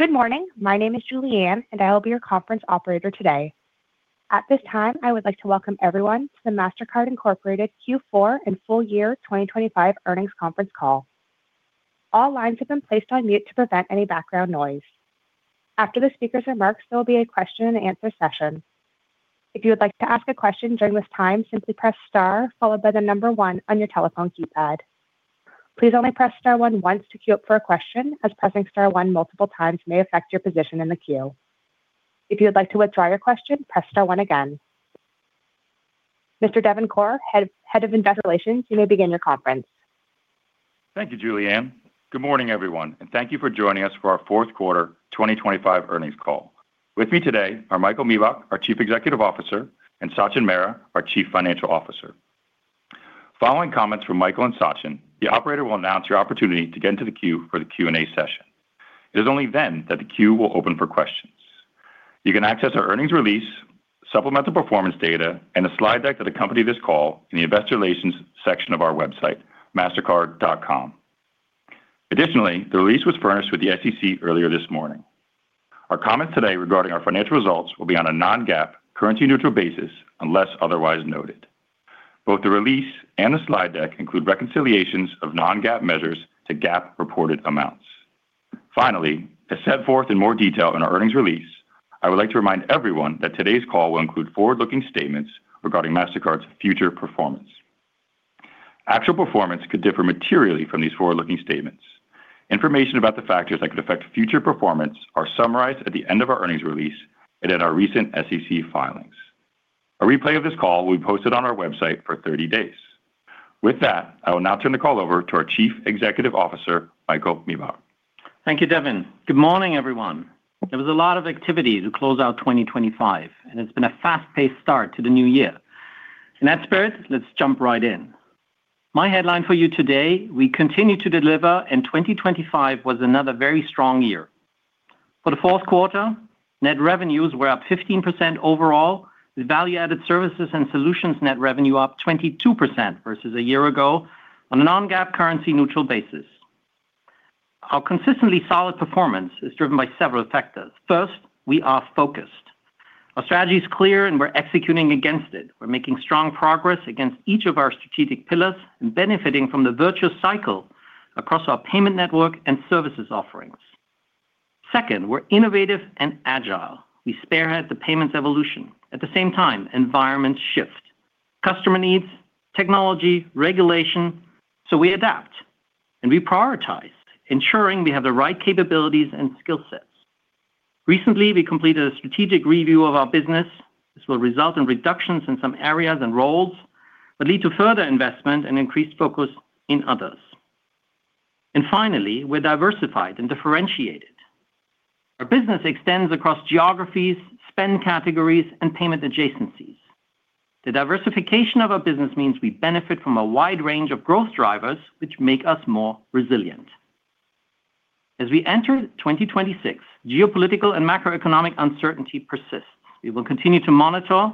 Good morning. My name is Julie Ann, and I will be your conference operator today. At this time, I would like to welcome everyone to the Mastercard Incorporated Q4 and full year 2025 earnings conference call. All lines have been placed on mute to prevent any background noise. After the speakers are marked, there will be a question-and-answer session. If you would like to ask a question during this time, simply press star followed by the number one on your telephone keypad. Please only press star one once to queue up for a question, as pressing star one multiple times may affect your position in the queue. If you would like to withdraw your question, press star one again. Mr. Devin Corr, Head of Investor Relations, you may begin your conference. Thank you, Julie Ann. Good morning, everyone, and thank you for joining us for our fourth quarter 2025 earnings call. With me today are Michael Miebach, our Chief Executive Officer, and Sachin Mehra, our Chief Financial Officer. Following comments from Michael and Sachin, the operator will announce your opportunity to get into the queue for the Q&A session. It is only then that the queue will open for questions. You can access our earnings release, supplemental performance data, and a slide deck that accompanied this call in the Investor Relations section of our website, mastercard.com. Additionally, the release was furnished with the SEC earlier this morning. Our comments today regarding our financial results will be on a non-GAAP currency-neutral basis unless otherwise noted. Both the release and the slide deck include reconciliations of non-GAAP measures to GAAP reported amounts. Finally, as set forth in more detail in our earnings release, I would like to remind everyone that today's call will include forward-looking statements regarding Mastercard's future performance. Actual performance could differ materially from these forward-looking statements. Information about the factors that could affect future performance are summarized at the end of our earnings release and in our recent SEC filings. A replay of this call will be posted on our website for 30 days. With that, I will now turn the call over to our Chief Executive Officer, Michael Miebach. Thank you, Devin. Good morning, everyone. There was a lot of activity to close out 2025, and it's been a fast-paced start to the new year. In that spirit, let's jump right in. My headline for you today: We continue to deliver, and 2025 was another very strong year. For the fourth quarter, net revenues were up 15% overall, with value-added services and solutions net revenue up 22% versus a year ago on a non-GAAP currency-neutral basis. Our consistently solid performance is driven by several factors. First, we are focused. Our strategy is clear, and we're executing against it. We're making strong progress against each of our strategic pillars and benefiting from the virtuous cycle across our payment network and services offerings. Second, we're innovative and agile. We spearhead the payments evolution. At the same time, environments shift: customer needs, technology, regulation. So we adapt, and we prioritize, ensuring we have the right capabilities and skill sets. Recently, we completed a strategic review of our business. This will result in reductions in some areas and roles but lead to further investment and increased focus in others. And finally, we're diversified and differentiated. Our business extends across geographies, spend categories, and payment adjacencies. The diversification of our business means we benefit from a wide range of growth drivers, which make us more resilient. As we enter 2026, geopolitical and macroeconomic uncertainty persists. We will continue to monitor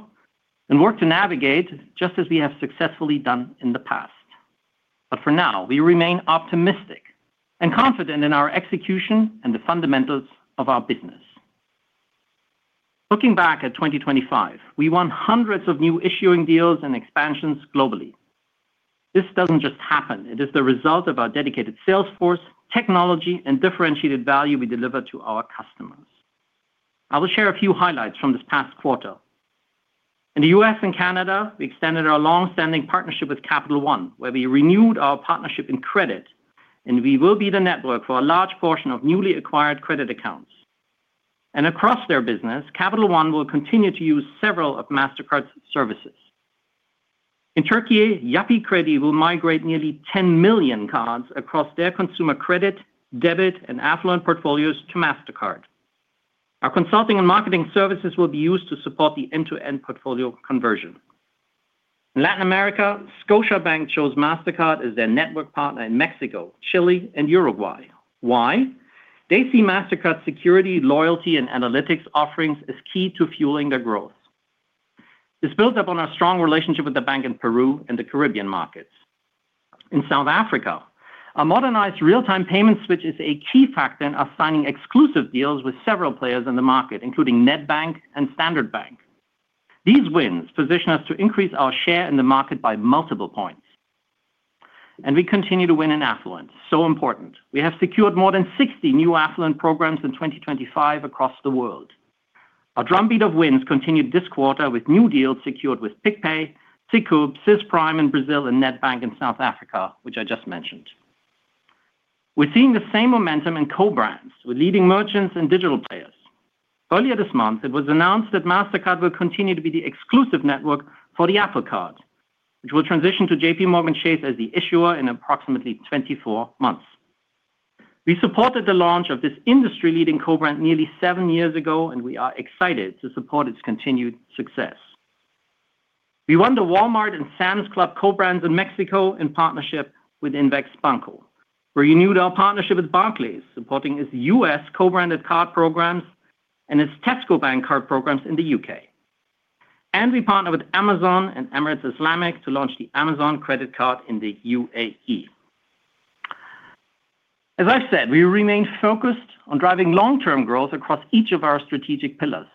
and work to navigate, just as we have successfully done in the past. But for now, we remain optimistic and confident in our execution and the fundamentals of our business. Looking back at 2025, we won hundreds of new issuing deals and expansions globally. This doesn't just happen. It is the result of our dedicated sales force, technology, and differentiated value we deliver to our customers. I will share a few highlights from this past quarter. In the U.S. and Canada, we extended our longstanding partnership with Capital One, where we renewed our partnership in credit, and we will be the network for a large portion of newly acquired credit accounts. Across their business, Capital One will continue to use several of Mastercard's services. In Türkiye, Yapı Kredi will migrate nearly 10 million cards across their consumer credit, debit, and affluent portfolios to Mastercard. Our consulting and marketing services will be used to support the end-to-end portfolio conversion. In Latin America, Scotiabank chose Mastercard as their network partner in Mexico, Chile, and Uruguay. Why? They see Mastercard's security, loyalty, and analytics offerings as key to fueling their growth. This builds up on our strong relationship with the bank in Peru and the Caribbean markets. In South Africa, a modernized real-time payment switch is a key factor in us signing exclusive deals with several players in the market, including Nedbank and Standard Bank. These wins position us to increase our share in the market by multiple points. We continue to win in affluence. So important. We have secured more than 60 new affluent programs in 2025 across the world. Our drumbeat of wins continued this quarter with new deals secured with PicPay, Sicoob, Sisprime in Brazil, and Nedbank in South Africa, which I just mentioned. We're seeing the same momentum in co-brands with leading merchants and digital players. Earlier this month, it was announced that Mastercard will continue to be the exclusive network for the Apple Card, which will transition to JPMorgan Chase as the issuer in approximately 24 months. We supported the launch of this industry-leading co-brand nearly seven years ago, and we are excited to support its continued success. We won the Walmart and Sam's Club co-brands in Mexico in partnership with INVEX Banco, where we renewed our partnership with Barclays, supporting its US co-branded card programs and its Tesco Bank card programs in the UK. And we partnered with Amazon and Emirates Islamic to launch the Amazon Credit Card in the UAE. As I've said, we remain focused on driving long-term growth across each of our strategic pillars.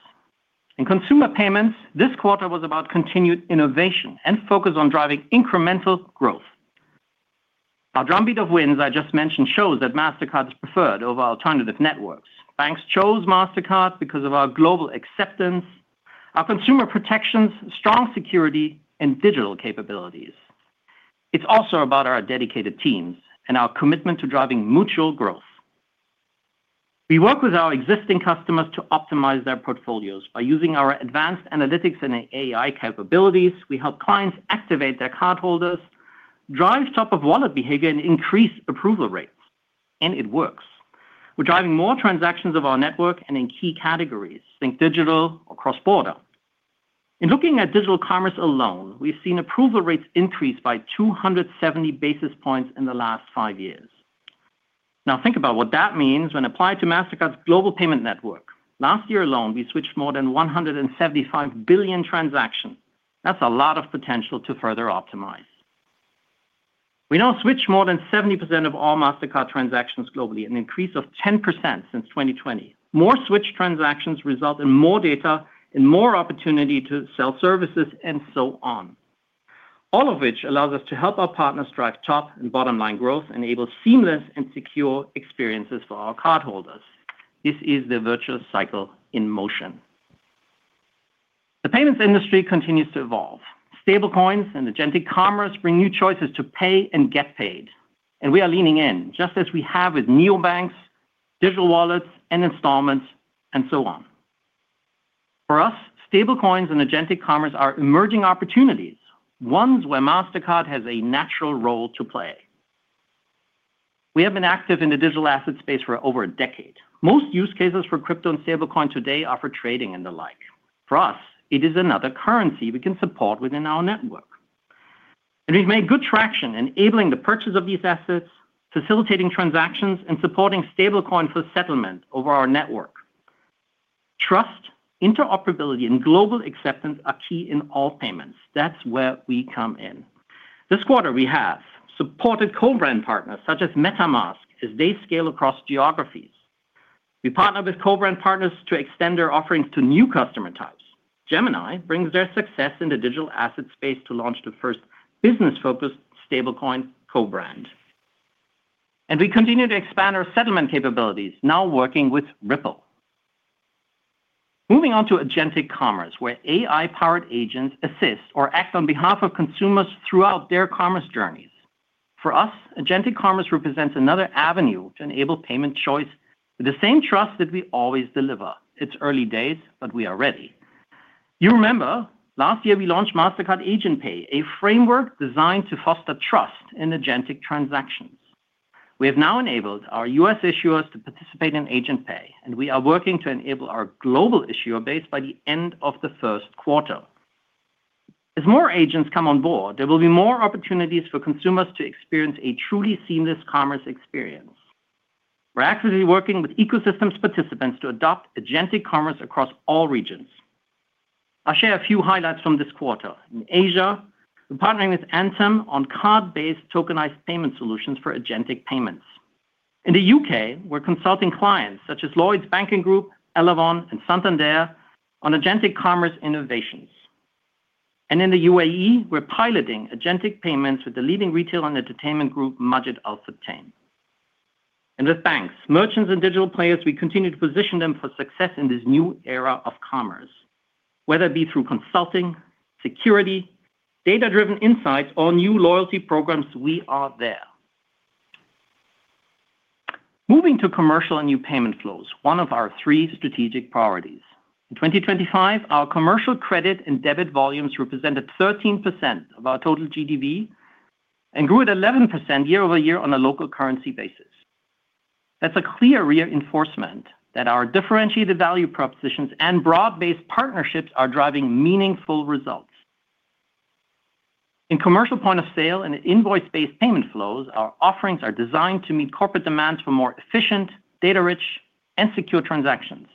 In consumer payments, this quarter was about continued innovation and focus on driving incremental growth. Our drumbeat of wins I just mentioned shows that Mastercard is preferred over alternative networks. Banks chose Mastercard because of our global acceptance, our consumer protections, strong security, and digital capabilities. It's also about our dedicated teams and our commitment to driving mutual growth. We work with our existing customers to optimize their portfolios by using our advanced analytics and AI capabilities. We help clients activate their cardholders, drive top-of-wallet behavior, and increase approval rates. And it works. We're driving more transactions of our network and in key categories. Think digital or cross-border. In looking at digital commerce alone, we've seen approval rates increase by 270 basis points in the last five years. Now, think about what that means when applied to Mastercard's global payment network. Last year alone, we switched more than 175 billion transactions. That's a lot of potential to further optimize. We now switch more than 70% of all Mastercard transactions globally, an increase of 10% since 2020. More switched transactions result in more data, in more opportunity to sell services, and so on, all of which allows us to help our partners drive top and bottom-line growth and enable seamless and secure experiences for our cardholders. This is the virtuous cycle in motion. The payments industry continues to evolve. Stablecoins and agentic commerce bring new choices to pay and get paid. And we are leaning in, just as we have with neobanks, digital wallets, and installments, and so on. For us, stablecoins and agentic commerce are emerging opportunities, ones where Mastercard has a natural role to play. We have been active in the digital asset space for over a decade. Most use cases for crypto and stablecoin today offer trading and the like. For us, it is another currency we can support within our network. We've made good traction enabling the purchase of these assets, facilitating transactions, and supporting stablecoin for settlement over our network. Trust, interoperability, and global acceptance are key in all payments. That's where we come in. This quarter, we have supported co-brand partners such as MetaMask as they scale across geographies. We partnered with co-brand partners to extend their offerings to new customer types. Gemini brings their success in the digital asset space to launch the first business-focused stablecoin co-brand. We continue to expand our settlement capabilities, now working with Ripple. Moving on to agentic commerce, where AI-powered agents assist or act on behalf of consumers throughout their commerce journeys. For us, agentic commerce represents another avenue to enable payment choice with the same trust that we always deliver. It's early days, but we are ready. You remember, last year, we launched Mastercard AgentPay, a framework designed to foster trust in agentic transactions. We have now enabled our U.S. issuers to participate in AgentPay, and we are working to enable our global issuer base by the end of the first quarter. As more agents come on board, there will be more opportunities for consumers to experience a truly seamless commerce experience. We're actively working with ecosystems participants to adopt agentic commerce across all regions. I'll share a few highlights from this quarter. In Asia, we're partnering with Antom on card-based tokenized payment solutions for agentic payments. In the U.K., we're consulting clients such as Lloyds Banking Group, Elavon, and Santander on agentic commerce innovations. In the UAE, we're piloting agentic payments with the leading retail and entertainment group, Majid Al Futtaim. With banks, merchants, and digital players, we continue to position them for success in this new era of commerce, whether it be through consulting, security, data-driven insights, or new loyalty programs. We are there. Moving to commercial and new payment flows, one of our three strategic priorities. In 2025, our commercial credit and debit volumes represented 13% of our total GDV and grew at 11% year-over-year on a local currency basis. That's a clear reinforcement that our differentiated value propositions and broad-based partnerships are driving meaningful results. In commercial point of sale and invoice-based payment flows, our offerings are designed to meet corporate demands for more efficient, data-rich, and secure transactions.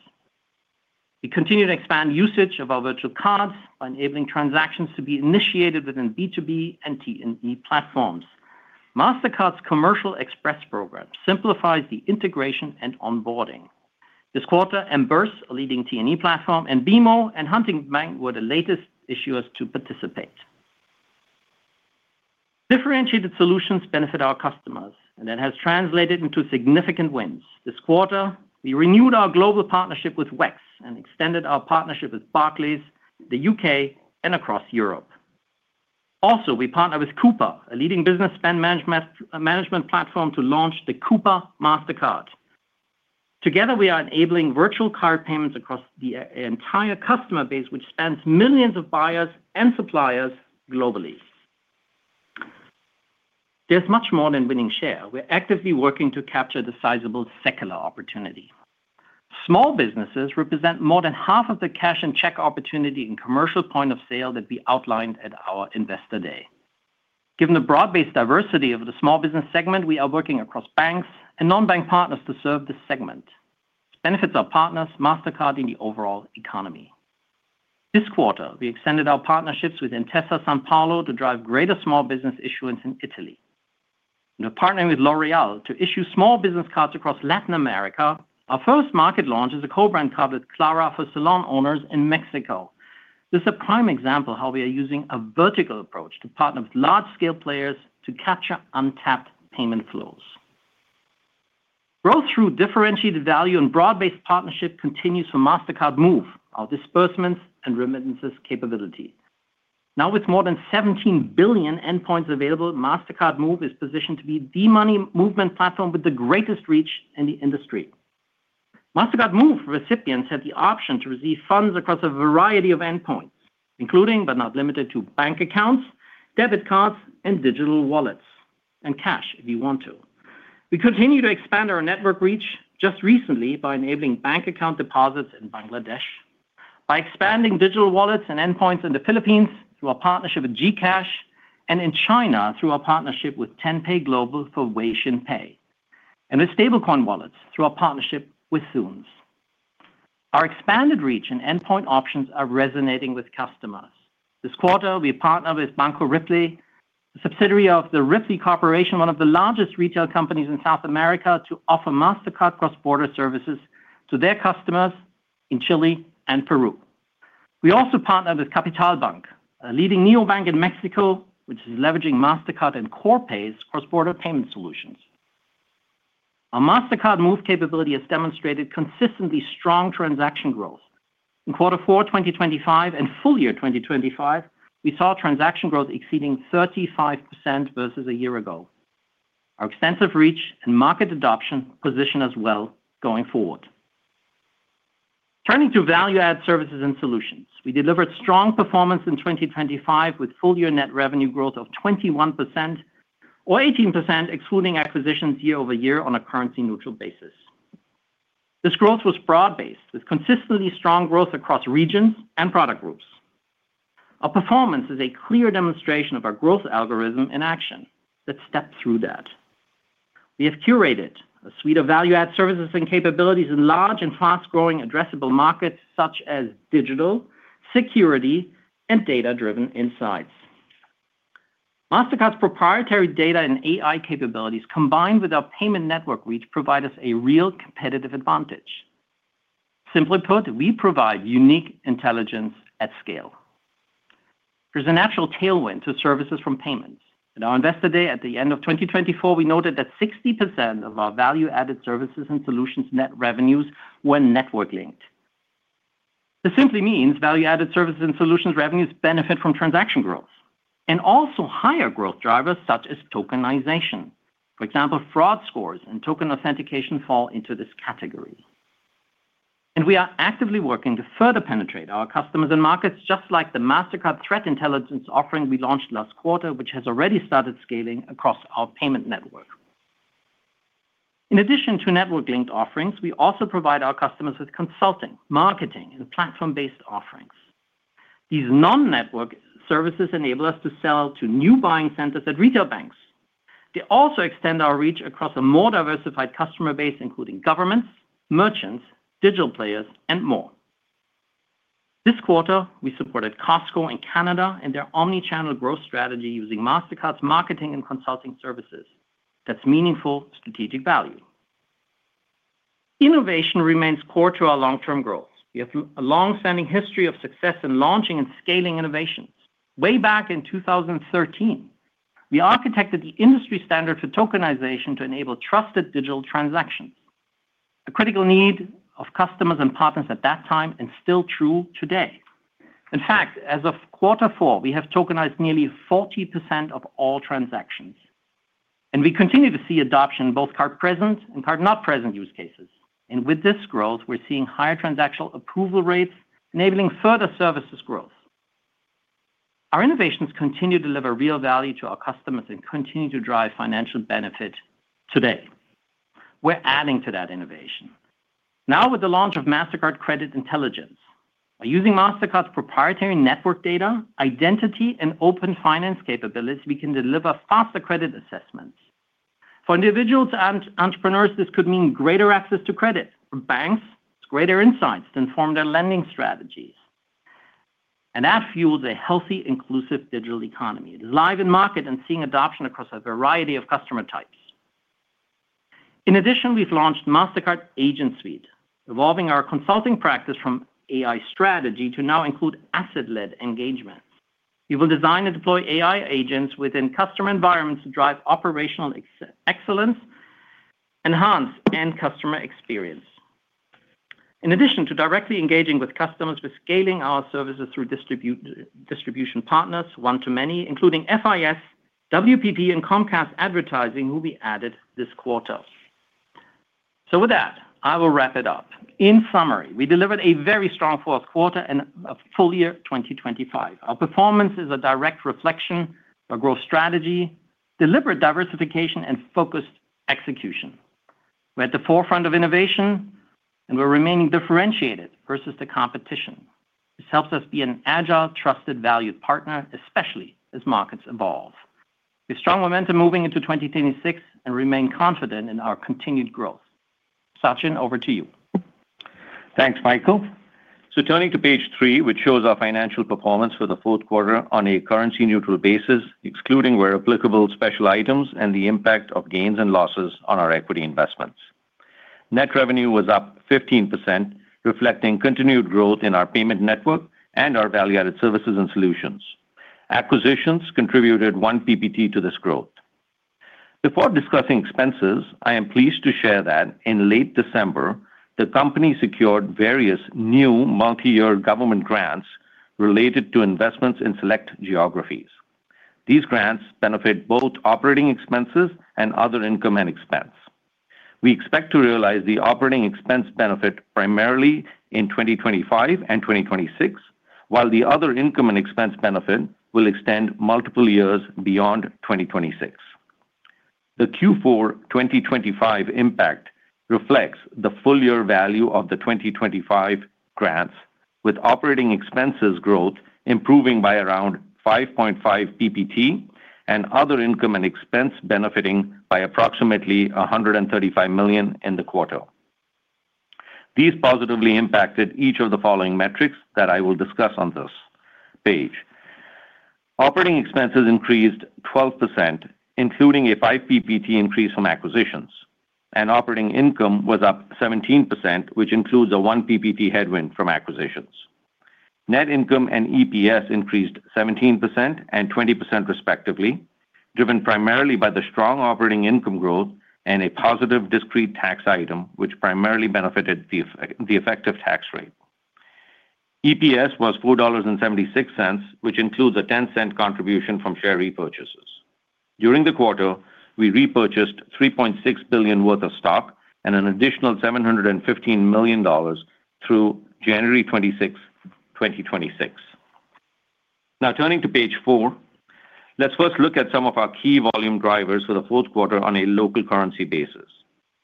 We continue to expand usage of our virtual cards by enabling transactions to be initiated within B2B and T&E platforms. Mastercard's Commercial Expense program simplifies the integration and onboarding. This quarter, Emburse, a leading T&E platform, and BMO and Huntington Bank were the latest issuers to participate. Differentiated solutions benefit our customers, and that has translated into significant wins. This quarter, we renewed our global partnership with WEX and extended our partnership with Barclays, the UK, and across Europe. Also, we partner with Coupa, a leading business spend management platform, to launch the Coupa Mastercard. Together, we are enabling virtual card payments across the entire customer base, which spans millions of buyers and suppliers globally. There's much more than winning share. We're actively working to capture the sizable secular opportunity. Small businesses represent more than half of the cash and check opportunity in commercial point of sale that we outlined at our investor day. Given the broad-based diversity of the small business segment, we are working across banks and non-bank partners to serve this segment. This benefits our partners, Mastercard, in the overall economy. This quarter, we extended our partnerships with Intesa Sanpaolo to drive greater small business issuance in Italy. We're partnering with L'Oréal to issue small business cards across Latin America. Our first market launch is a co-brand card with Clara for salon owners in Mexico. This is a prime example of how we are using a vertical approach to partner with large-scale players to capture untapped payment flows. Growth through differentiated value and broad-based partnership continues for Mastercard Move, our disbursements and remittances capability. Now, with more than 17 billion endpoints available, Mastercard Move is positioned to be the money movement platform with the greatest reach in the industry. Mastercard Move recipients have the option to receive funds across a variety of endpoints, including but not limited to bank accounts, debit cards, and digital wallets, and cash if you want to. We continue to expand our network reach just recently by enabling bank account deposits in Bangladesh, by expanding digital wallets and endpoints in the Philippines through our partnership with GCash, and in China through our partnership with Tenpay Global for Weixin Pay, and with stablecoin wallets through our partnership with Stables. Our expanded reach and endpoint options are resonating with customers. This quarter, we partnered with Banco Ripley, a subsidiary of the Ripley Corporation, one of the largest retail companies in South America, to offer Mastercard cross-border services to their customers in Chile and Peru. We also partnered with Kapital, a leading neobank in Mexico, which is leveraging Mastercard and Corpay's cross-border payment solutions. Our Mastercard Move capability has demonstrated consistently strong transaction growth. In quarter four, 2025, and full year 2025, we saw transaction growth exceeding 35% versus a year ago. Our extensive reach and market adoption position us well going forward. Turning to value-add services and solutions, we delivered strong performance in 2025 with full-year net revenue growth of 21% or 18%, excluding acquisitions year over year on a currency-neutral basis. This growth was broad-based with consistently strong growth across regions and product groups. Our performance is a clear demonstration of our growth algorithm in action that stepped through that. We have curated a suite of value-add services and capabilities in large and fast-growing addressable markets such as digital, security, and data-driven insights. Mastercard's proprietary data and AI capabilities, combined with our payment network reach, provide us a real competitive advantage. Simply put, we provide unique intelligence at scale. There's a natural tailwind to services from payments. In our investor day at the end of 2024, we noted that 60% of our value-added services and solutions net revenues were network-linked. This simply means value-added services and solutions revenues benefit from transaction growth and also higher growth drivers such as tokenization. For example, fraud scores and token authentication fall into this category. We are actively working to further penetrate our customers and markets, just like the Mastercard Threat Intelligence offering we launched last quarter, which has already started scaling across our payment network. In addition to network-linked offerings, we also provide our customers with consulting, marketing, and platform-based offerings. These non-network services enable us to sell to new buying centers at retail banks. They also extend our reach across a more diversified customer base, including governments, merchants, digital players, and more. This quarter, we supported Costco in Canada and their omnichannel growth strategy using Mastercard's marketing and consulting services. That's meaningful strategic value. Innovation remains core to our long-term growth. We have a long-standing history of success in launching and scaling innovations. Way back in 2013, we architected the industry standard for tokenization to enable trusted digital transactions, a critical need of customers and partners at that time and still true today. In fact, as of quarter four, we have tokenized nearly 40% of all transactions. We continue to see adoption in both card-present and card-not-present use cases. With this growth, we're seeing higher transactional approval rates, enabling further services growth. Our innovations continue to deliver real value to our customers and continue to drive financial benefit today. We're adding to that innovation. Now, with the launch of Mastercard Credit Intelligence, by using Mastercard's proprietary network data, identity, and open finance capabilities, we can deliver faster credit assessments. For individuals and entrepreneurs, this could mean greater access to credit. For banks, it's greater insights to inform their lending strategies. That fuels a healthy, inclusive digital economy. It is live in market and seeing adoption across a variety of customer types. In addition, we've launched Mastercard Agent Suite, evolving our consulting practice from AI strategy to now include asset-led engagements. We will design and deploy AI agents within customer environments to drive operational excellence, enhance end customer experience. In addition to directly engaging with customers, we're scaling our services through distribution partners, one to many, including FIS, WPP, and Comcast Advertising, who we added this quarter. With that, I will wrap it up. In summary, we delivered a very strong fourth quarter and a full year 2025. Our performance is a direct reflection of our growth strategy, deliberate diversification, and focused execution. We're at the forefront of innovation, and we're remaining differentiated versus the competition. This helps us be an agile, trusted, valued partner, especially as markets evolve. With strong momentum moving into 2026, and remain confident in our continued growth. Sachin, over to you. Thanks, Michael. So turning to page 3, which shows our financial performance for the fourth quarter on a currency-neutral basis, excluding where applicable special items and the impact of gains and losses on our equity investments. Net revenue was up 15%, reflecting continued growth in our payment network and our value-added services and solutions. Acquisitions contributed 1 PPT to this growth. Before discussing expenses, I am pleased to share that in late December, the company secured various new multi-year government grants related to investments in select geographies. These grants benefit both operating expenses and other income and expense. We expect to realize the operating expense benefit primarily in 2025 and 2026, while the other income and expense benefit will extend multiple years beyond 2026. The Q4 2025 impact reflects the full year value of the 2025 grants, with operating expenses growth improving by around 5.5 PPT and other income and expense benefiting by approximately $135 million in the quarter. These positively impacted each of the following metrics that I will discuss on this page. Operating expenses increased 12%, including a 5 PPT increase from acquisitions. Operating income was up 17%, which includes a 1 PPT headwind from acquisitions. Net income and EPS increased 17% and 20% respectively, driven primarily by the strong operating income growth and a positive discrete tax item, which primarily benefited the effective tax rate. EPS was $4.76, which includes a $0.10 contribution from share repurchases. During the quarter, we repurchased $3.6 billion worth of stock and an additional $715 million through January 26, 2026. Now, turning to page four, let's first look at some of our key volume drivers for the fourth quarter on a local currency basis.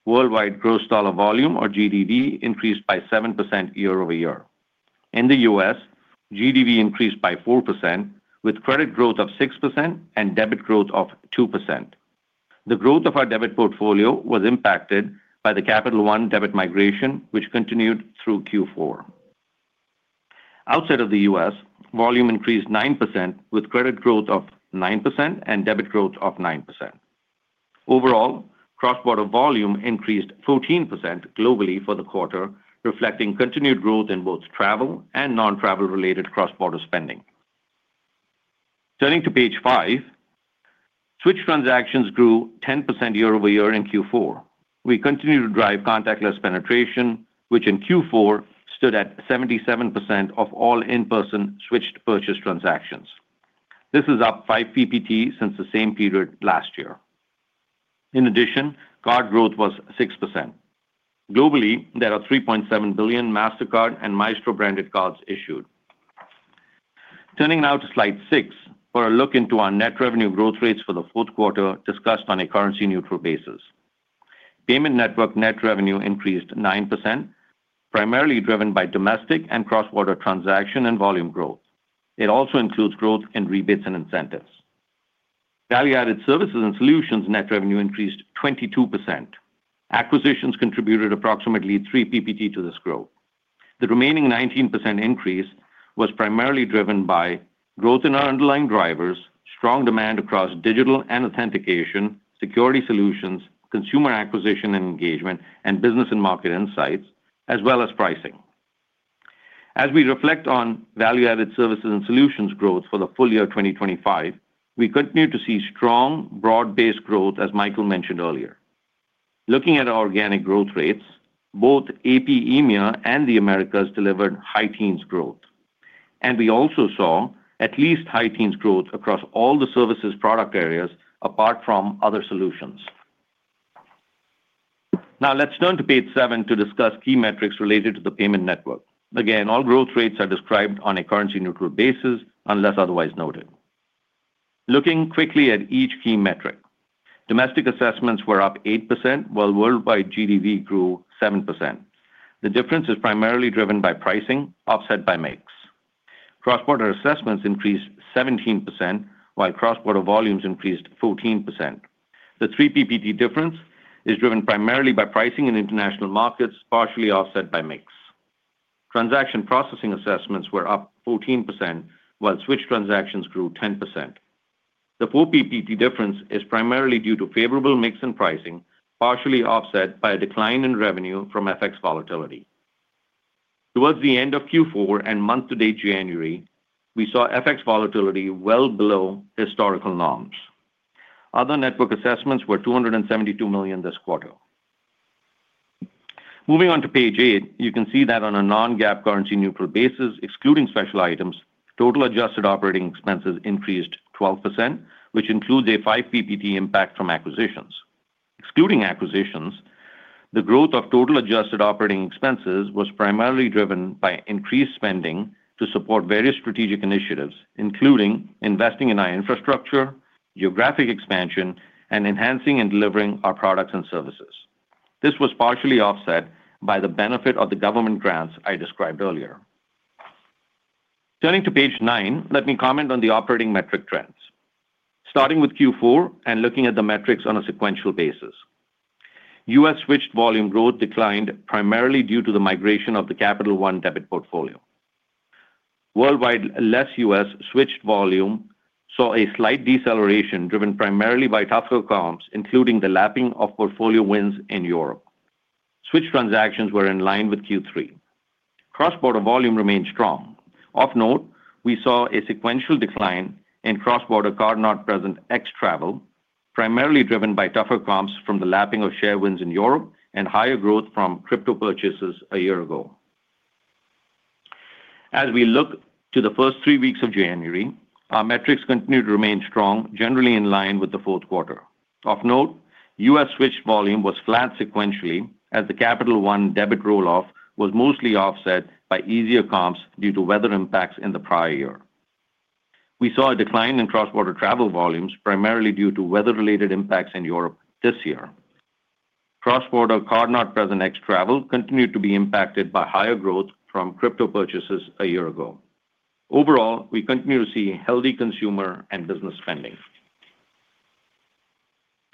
Worldwide gross dollar volume, or GDV, increased by 7% year-over-year. In the U.S., GDV increased by 4%, with credit growth of 6% and debit growth of 2%. The growth of our debit portfolio was impacted by the Capital One debit migration, which continued through Q4. Outside of the U.S., volume increased 9%, with credit growth of 9% and debit growth of 9%. Overall, cross-border volume increased 14% globally for the quarter, reflecting continued growth in both travel and non-travel-related cross-border spending. Turning to page five, switch transactions grew 10% year-over-year in Q4. We continue to drive contactless penetration, which in Q4 stood at 77% of all in-person switched purchase transactions. This is up 5 PPT since the same period last year. In addition, card growth was 6%. Globally, there are 3.7 billion Mastercard and Maestro branded cards issued. Turning now to slide 6, for a look into our net revenue growth rates for the fourth quarter discussed on a currency-neutral basis. Payment network net revenue increased 9%, primarily driven by domestic and cross-border transaction and volume growth. It also includes growth in rebates and incentives. Value-added services and solutions net revenue increased 22%. Acquisitions contributed approximately 3 PPT to this growth. The remaining 19% increase was primarily driven by growth in our underlying drivers, strong demand across digital and authentication, security solutions, consumer acquisition and engagement, and business and market insights, as well as pricing. As we reflect on value-added services and solutions growth for the full year 2025, we continue to see strong broad-based growth, as Michael mentioned earlier. Looking at our organic growth rates, both AP, and The Americas delivered high teens growth. We also saw at least high teens growth across all the services product areas apart from other solutions. Now, let's turn to page 7 to discuss key metrics related to the payment network. Again, all growth rates are described on a currency-neutral basis unless otherwise noted. Looking quickly at each key metric, domestic assessments were up 8%, while worldwide GDV grew 7%. The difference is primarily driven by pricing, offset by mix. Cross-border assessments increased 17%, while cross-border volumes increased 14%. The 3 percentage point difference is driven primarily by pricing in international markets, partially offset by mix. Transaction processing assessments were up 14%, while switch transactions grew 10%. The 4 PPT difference is primarily due to favorable mix and pricing, partially offset by a decline in revenue from FX volatility. Towards the end of Q4 and month-to-date January, we saw FX volatility well below historical norms. Other network assessments were $272 million this quarter. Moving on to page 8, you can see that on a non-GAAP currency-neutral basis, excluding special items, total adjusted operating expenses increased 12%, which includes a 5 PPT impact from acquisitions. Excluding acquisitions, the growth of total adjusted operating expenses was primarily driven by increased spending to support various strategic initiatives, including investing in our infrastructure, geographic expansion, and enhancing and delivering our products and services. This was partially offset by the benefit of the government grants I described earlier. Turning to page 9, let me comment on the operating metric trends. Starting with Q4 and looking at the metrics on a sequential basis, U.S. switched volume growth declined primarily due to the migration of the Capital One debit portfolio. Worldwide, less U.S. switched volume saw a slight deceleration driven primarily by tougher comps, including the lapping of portfolio wins in Europe. Switch transactions were in line with Q3. Cross-border volume remained strong. Of note, we saw a sequential decline in cross-border card-not-present ex-travel, primarily driven by tougher comps from the lapping of share wins in Europe and higher growth from crypto purchases a year ago. As we look to the first three weeks of January, our metrics continue to remain strong, generally in line with the fourth quarter. Of note, U.S. switched volume was flat sequentially as the Capital One debit rolloff was mostly offset by easier comps due to weather impacts in the prior year. We saw a decline in cross-border travel volumes, primarily due to weather-related impacts in Europe this year. Cross-border card-not-present ex-travel continued to be impacted by higher growth from crypto purchases a year ago. Overall, we continue to see healthy consumer and business spending.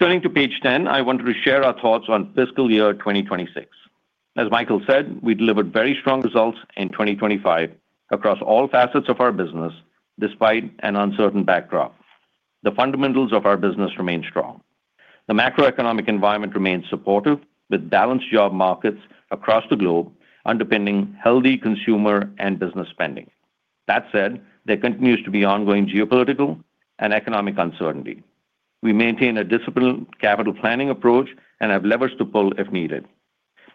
Turning to page 10, I wanted to share our thoughts on fiscal year 2026. As Michael said, we delivered very strong results in 2025 across all facets of our business despite an uncertain backdrop. The fundamentals of our business remain strong. The macroeconomic environment remains supportive with balanced job markets across the globe underpinning healthy consumer and business spending. That said, there continues to be ongoing geopolitical and economic uncertainty. We maintain a disciplined capital planning approach and have levers to pull if needed.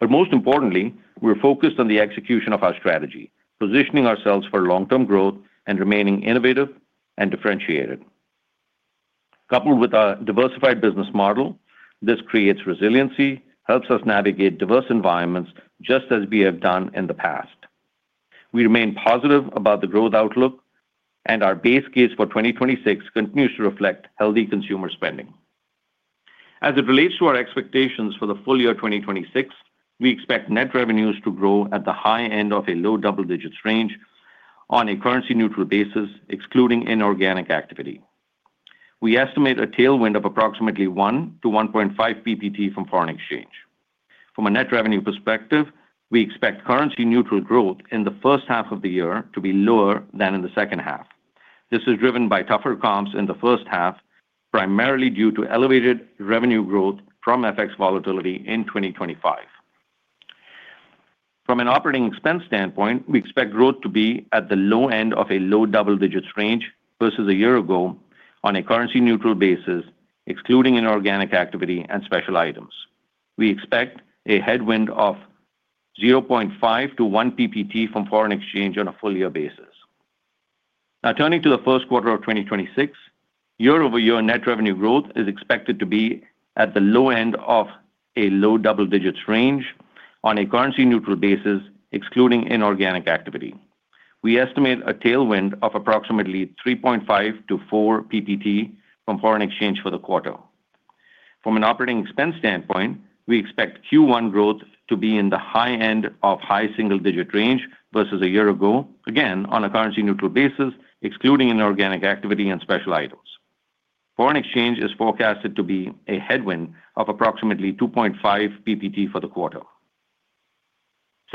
But most importantly, we're focused on the execution of our strategy, positioning ourselves for long-term growth and remaining innovative and differentiated. Coupled with our diversified business model, this creates resiliency, helps us navigate diverse environments just as we have done in the past. We remain positive about the growth outlook, and our base case for 2026 continues to reflect healthy consumer spending. As it relates to our expectations for the full year 2026, we expect net revenues to grow at the high end of a low double digits range on a currency-neutral basis, excluding inorganic activity. We estimate a tailwind of approximately 1-1.5 PPT from foreign exchange. From a net revenue perspective, we expect currency-neutral growth in the first half of the year to be lower than in the second half. This is driven by tougher comps in the first half, primarily due to elevated revenue growth from FX volatility in 2025. From an operating expense standpoint, we expect growth to be at the low end of a low double digits range versus a year ago on a currency-neutral basis, excluding inorganic activity and special items. We expect a headwind of 0.5-1 PPT from foreign exchange on a full year basis. Now, turning to the first quarter of 2026, year-over-year net revenue growth is expected to be at the low end of a low double digits range on a currency-neutral basis, excluding inorganic activity. We estimate a tailwind of approximately 3.5-4 PPT from foreign exchange for the quarter. From an operating expense standpoint, we expect Q1 growth to be in the high end of high single-digit range versus a year ago, again on a currency-neutral basis, excluding inorganic activity and special items. Foreign exchange is forecasted to be a headwind of approximately 2.5 PPT for the quarter.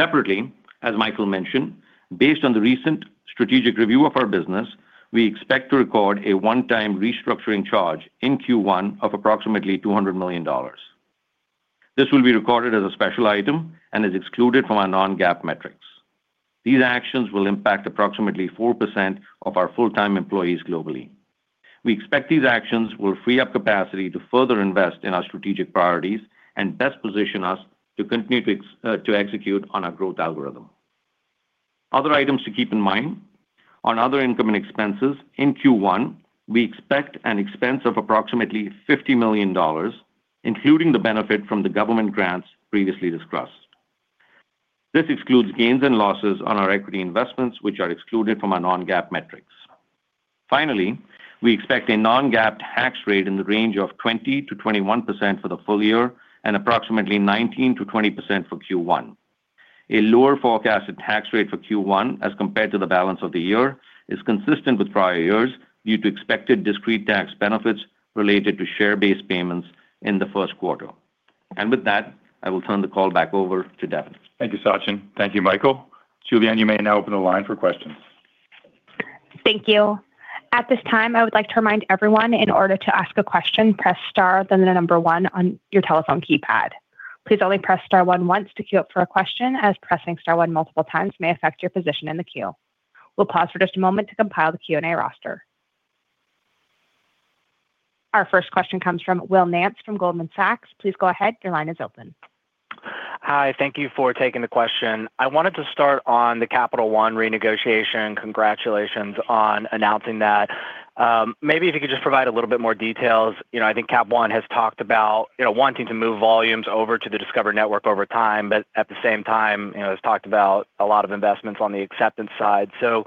Separately, as Michael mentioned, based on the recent strategic review of our business, we expect to record a one-time restructuring charge in Q1 of approximately $200 million. This will be recorded as a special item and is excluded from our non-GAAP metrics. These actions will impact approximately 4% of our full-time employees globally. We expect these actions will free up capacity to further invest in our strategic priorities and best position us to continue to execute on our growth algorithm. Other items to keep in mind. On other income and expenses, in Q1, we expect an expense of approximately $50 million, including the benefit from the government grants previously discussed. This excludes gains and losses on our equity investments, which are excluded from our non-GAAP metrics. Finally, we expect a non-GAAP tax rate in the range of 20%-21% for the full year and approximately 19%-20% for Q1. A lower forecasted tax rate for Q1 as compared to the balance of the year is consistent with prior years due to expected discrete tax benefits related to share-based payments in the first quarter. With that, I will turn the call back over to Devin. Thank you, Sachin. Thank you, Michael. Julie Ann, you may now open the line for questions. Thank you. At this time, I would like to remind everyone in order to ask a question, press star then the number one on your telephone keypad. Please only press star one once to queue up for a question, as pressing star one multiple times may affect your position in the queue. We'll pause for just a moment to compile the Q&A roster. Our first question comes from Will Nance from Goldman Sachs. Please go ahead. Your line is open. Hi. Thank you for taking the question. I wanted to start on the Capital One renegotiation. Congratulations on announcing that. Maybe if you could just provide a little bit more details. I think Cap One has talked about wanting to move volumes over to the Discover network over time, but at the same time, it's talked about a lot of investments on the acceptance side. So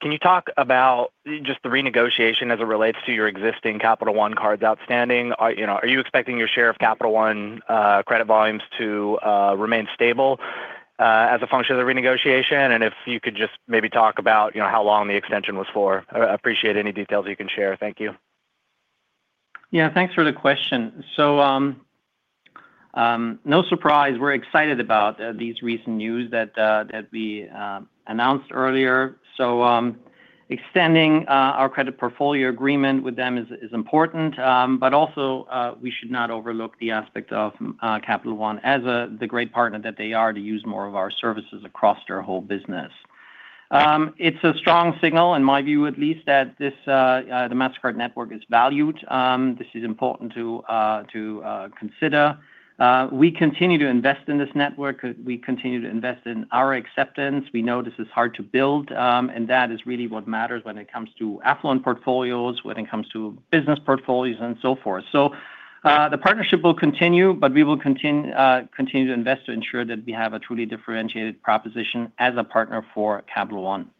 can you talk about just the renegotiation as it relates to your existing Capital One cards outstanding? Are you expecting your share of Capital One credit volumes to remain stable as a function of the renegotiation? And if you could just maybe talk about how long the extension was for. I appreciate any details you can share. Thank you. Yeah. Thanks for the question. So no surprise. We're excited about these recent news that we announced earlier. So extending our credit portfolio agreement with them is important, but also we should not overlook the aspect of Capital One as the great partner that they are to use more of our services across their whole business. It's a strong signal, in my view at least, that the Mastercard network is valued. This is important to consider. We continue to invest in this network. We continue to invest in our acceptance. We know this is hard to build, and that is really what matters when it comes to affluent portfolios, when it comes to business portfolios, and so forth. So the partnership will continue, but we will continue to invest to ensure that we have a truly differentiated proposition as a partner for Capital One.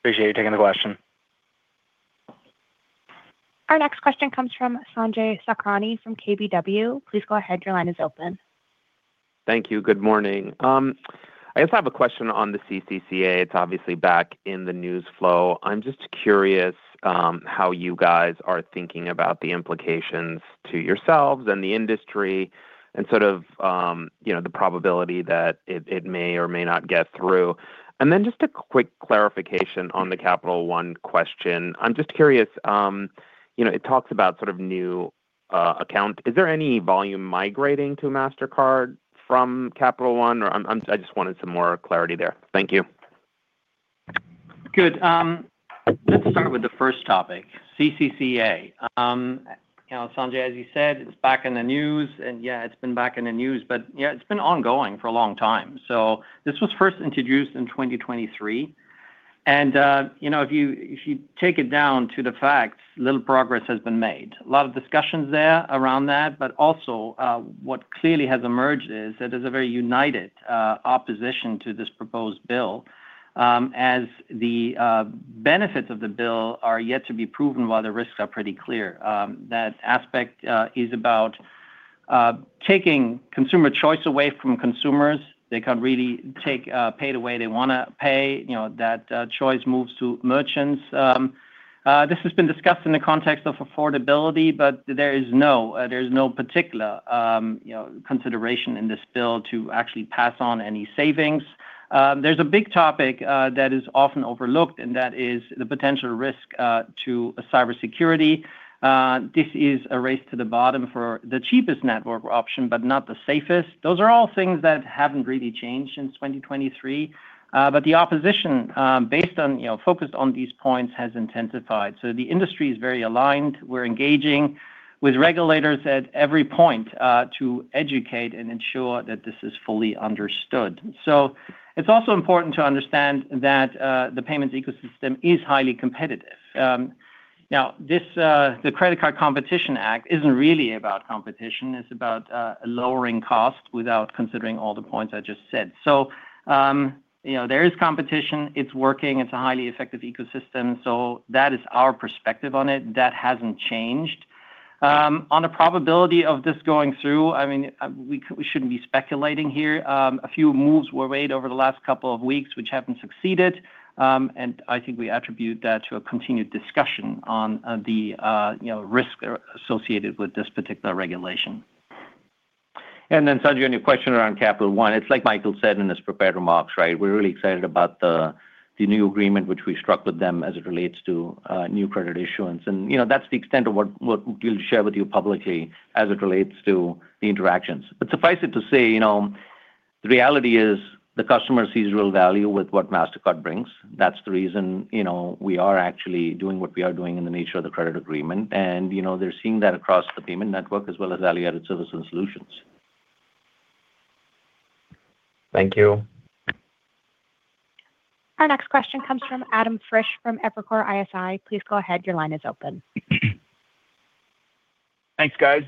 Appreciate you taking the question. Our next question comes from Sanjay Sakrani from KBW. Please go ahead. Your line is open. Thank you. Good morning. I guess I have a question on the CCCA. It's obviously back in the news flow. I'm just curious how you guys are thinking about the implications to yourselves and the industry and sort of the probability that it may or may not get through. And then just a quick clarification on the Capital One question. I'm just curious. It talks about sort of new accounts. Is there any volume migrating to Mastercard from Capital One? I just wanted some more clarity there. Thank you. Good. Let's start with the first topic, CCCA. Sanjay, as you said, it's back in the news. And yeah, it's been back in the news, but yeah, it's been ongoing for a long time. So this was first introduced in 2023. If you take it down to the facts, little progress has been made. A lot of discussions there around that. But also what clearly has emerged is that there's a very united opposition to this proposed bill as the benefits of the bill are yet to be proven while the risks are pretty clear. That aspect is about taking consumer choice away from consumers. They can't really take pay away. They want to pay. That choice moves to merchants. This has been discussed in the context of affordability, but there is no particular consideration in this bill to actually pass on any savings. There's a big topic that is often overlooked, and that is the potential risk to cybersecurity. This is a race to the bottom for the cheapest network option, but not the safest. Those are all things that haven't really changed since 2023. But the opposition based on focus on these points has intensified. So the industry is very aligned. We're engaging with regulators at every point to educate and ensure that this is fully understood. So it's also important to understand that the payments ecosystem is highly competitive. Now, the Credit Card Competition Act isn't really about competition. It's about lowering costs without considering all the points I just said. So there is competition. It's working. It's a highly effective ecosystem. So that is our perspective on it. That hasn't changed. On the probability of this going through, I mean, we shouldn't be speculating here. A few moves were made over the last couple of weeks, which haven't succeeded. And I think we attribute that to a continued discussion on the risk associated with this particular regulation. And then, Sanjay, any question around Capital One? It's like Michael said in his prepared remarks, right? We're really excited about the new agreement, which we struck with them as it relates to new credit issuance. That's the extent of what we'll share with you publicly as it relates to the interactions. But suffice it to say, the reality is the customer sees real value with what Mastercard brings. That's the reason we are actually doing what we are doing in the nature of the credit agreement. They're seeing that across the payment network as well as value-added services and solutions. Thank you. Our next question comes from Adam Frisch from Evercore ISI. Please go ahead. Your line is open. Thanks, guys.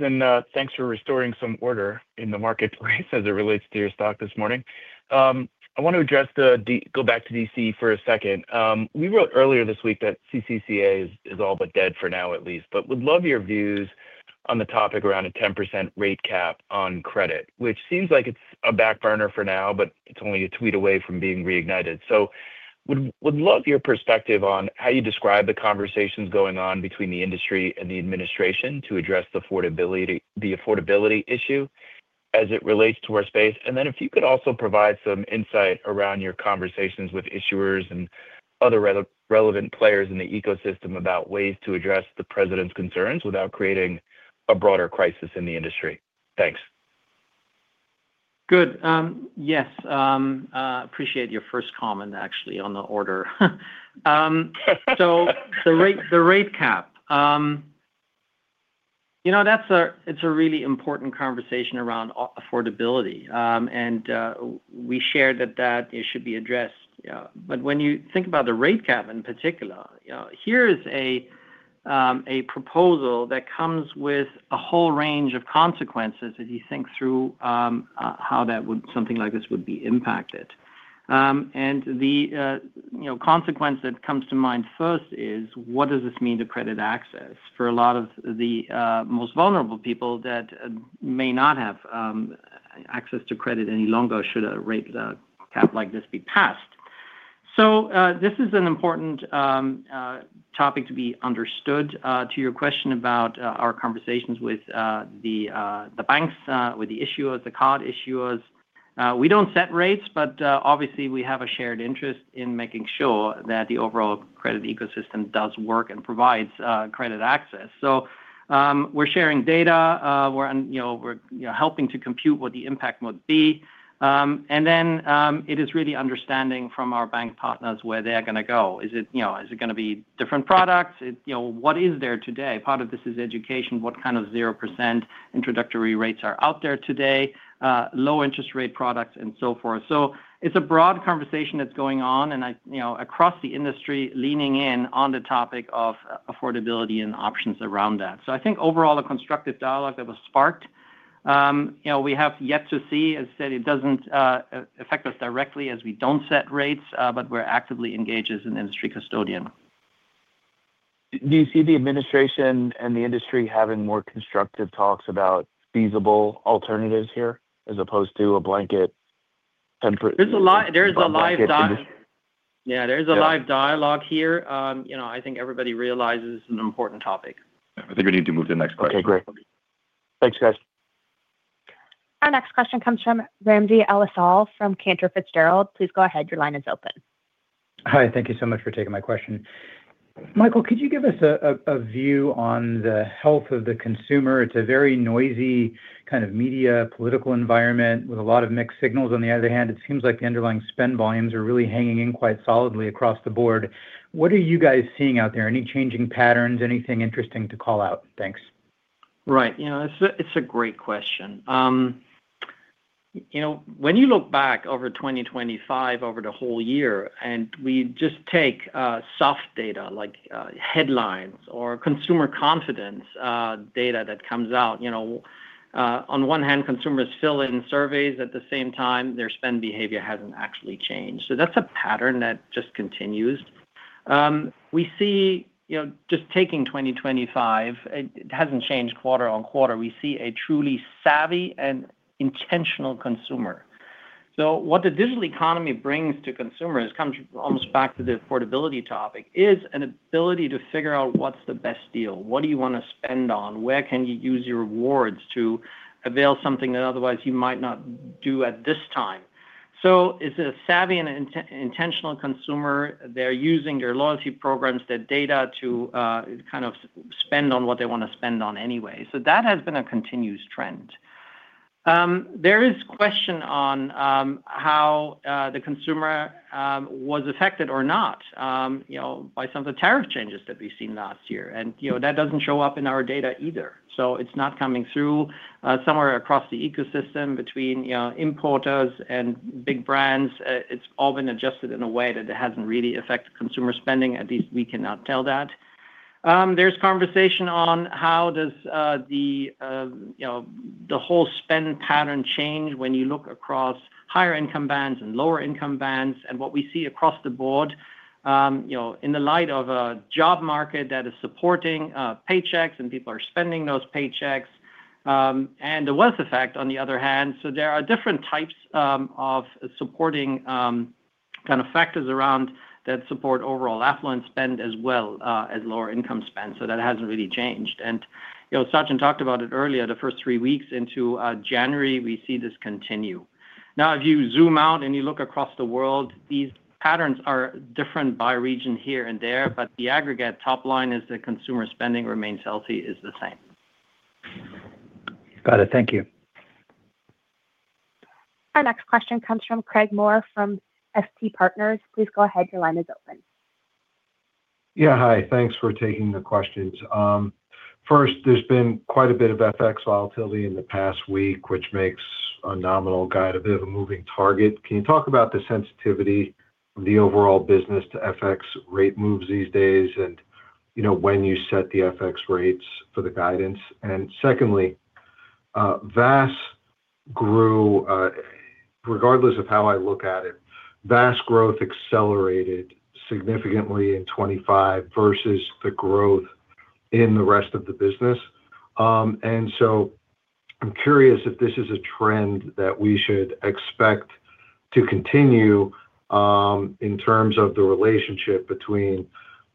Thanks for restoring some order in the marketplace as it relates to your stock this morning. I want to go back to D.C. for a second. We wrote earlier this week that CCCA is all but dead for now, at least, but would love your views on the topic around a 10% rate cap on credit, which seems like it's a back burner for now, but it's only a tweet away from being reignited. So would love your perspective on how you describe the conversations going on between the industry and the administration to address the affordability issue as it relates to our space. And then if you could also provide some insight around your conversations with issuers and other relevant players in the ecosystem about ways to address the president's concerns without creating a broader crisis in the industry. Thanks. Good. Yes. Appreciate your first comment, actually, on the order. So the rate cap, it's a really important conversation around affordability. And we shared that that should be addressed. But when you think about the rate cap in particular, here is a proposal that comes with a whole range of consequences as you think through how something like this would be impacted. And the consequence that comes to mind first is, what does this mean to credit access for a lot of the most vulnerable people that may not have access to credit any longer should a rate cap like this be passed? So this is an important topic to be understood. To your question about our conversations with the banks, with the issuers, the card issuers, we don't set rates, but obviously, we have a shared interest in making sure that the overall credit ecosystem does work and provides credit access. So we're sharing data. We're helping to compute what the impact might be. And then it is really understanding from our bank partners where they're going to go. Is it going to be different products? What is there today? Part of this is education. What kind of 0% introductory rates are out there today? Low interest rate products and so forth. So it's a broad conversation that's going on across the industry leaning in on the topic of affordability and options around that. So I think overall, a constructive dialogue that was sparked. We have yet to see. As I said, it doesn't affect us directly as we don't set rates, but we're actively engaged as an industry custodian. Do you see the administration and the industry having more constructive talks about feasible alternatives here as opposed to a blanket? There's a live dialogue. Yeah. There's a live dialogue here. I think everybody realizes this is an important topic. I think we need to move to the next question. Okay. Great. Thanks, guys. Our next question comes from Ramsey El-Assal from Cantor Fitzgerald. Please go ahead. Your line is open. Hi. Thank you so much for taking my question. Michael, could you give us a view on the health of the consumer? It's a very noisy kind of media political environment with a lot of mixed signals. On the other hand, it seems like the underlying spend volumes are really hanging in quite solidly across the board. What are you guys seeing out there? Any changing patterns? Anything interesting to call out? Thanks. Right. It's a great question. When you look back over 2025, over the whole year, and we just take soft data like headlines or consumer confidence data that comes out, on one hand, consumers fill in surveys. At the same time, their spend behavior hasn't actually changed. So that's a pattern that just continues. We see just taking 2025, it hasn't changed quarter-over-quarter. We see a truly savvy and intentional consumer. So what the digital economy brings to consumers comes almost back to the affordability topic is an ability to figure out what's the best deal. What do you want to spend on? Where can you use your rewards to avail something that otherwise you might not do at this time? So it's a savvy and intentional consumer. They're using their loyalty programs, their data to kind of spend on what they want to spend on anyway. So that has been a continuous trend. There is a question on how the consumer was affected or not by some of the tariff changes that we've seen last year. And that doesn't show up in our data either. So it's not coming through. Somewhere across the ecosystem between importers and big brands, it's all been adjusted in a way that it hasn't really affected consumer spending. At least we cannot tell that. There's conversation on how does the whole spend pattern change when you look across higher income bands and lower income bands and what we see across the board in the light of a job market that is supporting paychecks and people are spending those paychecks and the wealth effect on the other hand. So there are different types of supporting kind of factors around that support overall affluence spend as well as lower income spend. So that hasn't really changed. And Sanjay talked about it earlier. The first three weeks into January, we see this continue. Now, if you zoom out and you look across the world, these patterns are different by region here and there, but the aggregate top line is that consumer spending remains healthy, is the same. Got it. Thank you. Our next question comes from Craig Maurer from FT Partners. Please go ahead. Your line is open. Yeah. Hi. Thanks for taking the questions. First, there's been quite a bit of FX volatility in the past week, which makes a nominal guide a bit of a moving target. Can you talk about the sensitivity of the overall business to FX rate moves these days and when you set the FX rates for the guidance? And secondly, regardless of how I look at it, VAS growth accelerated significantly in 2025 versus the growth in the rest of the business. I'm curious if this is a trend that we should expect to continue in terms of the relationship between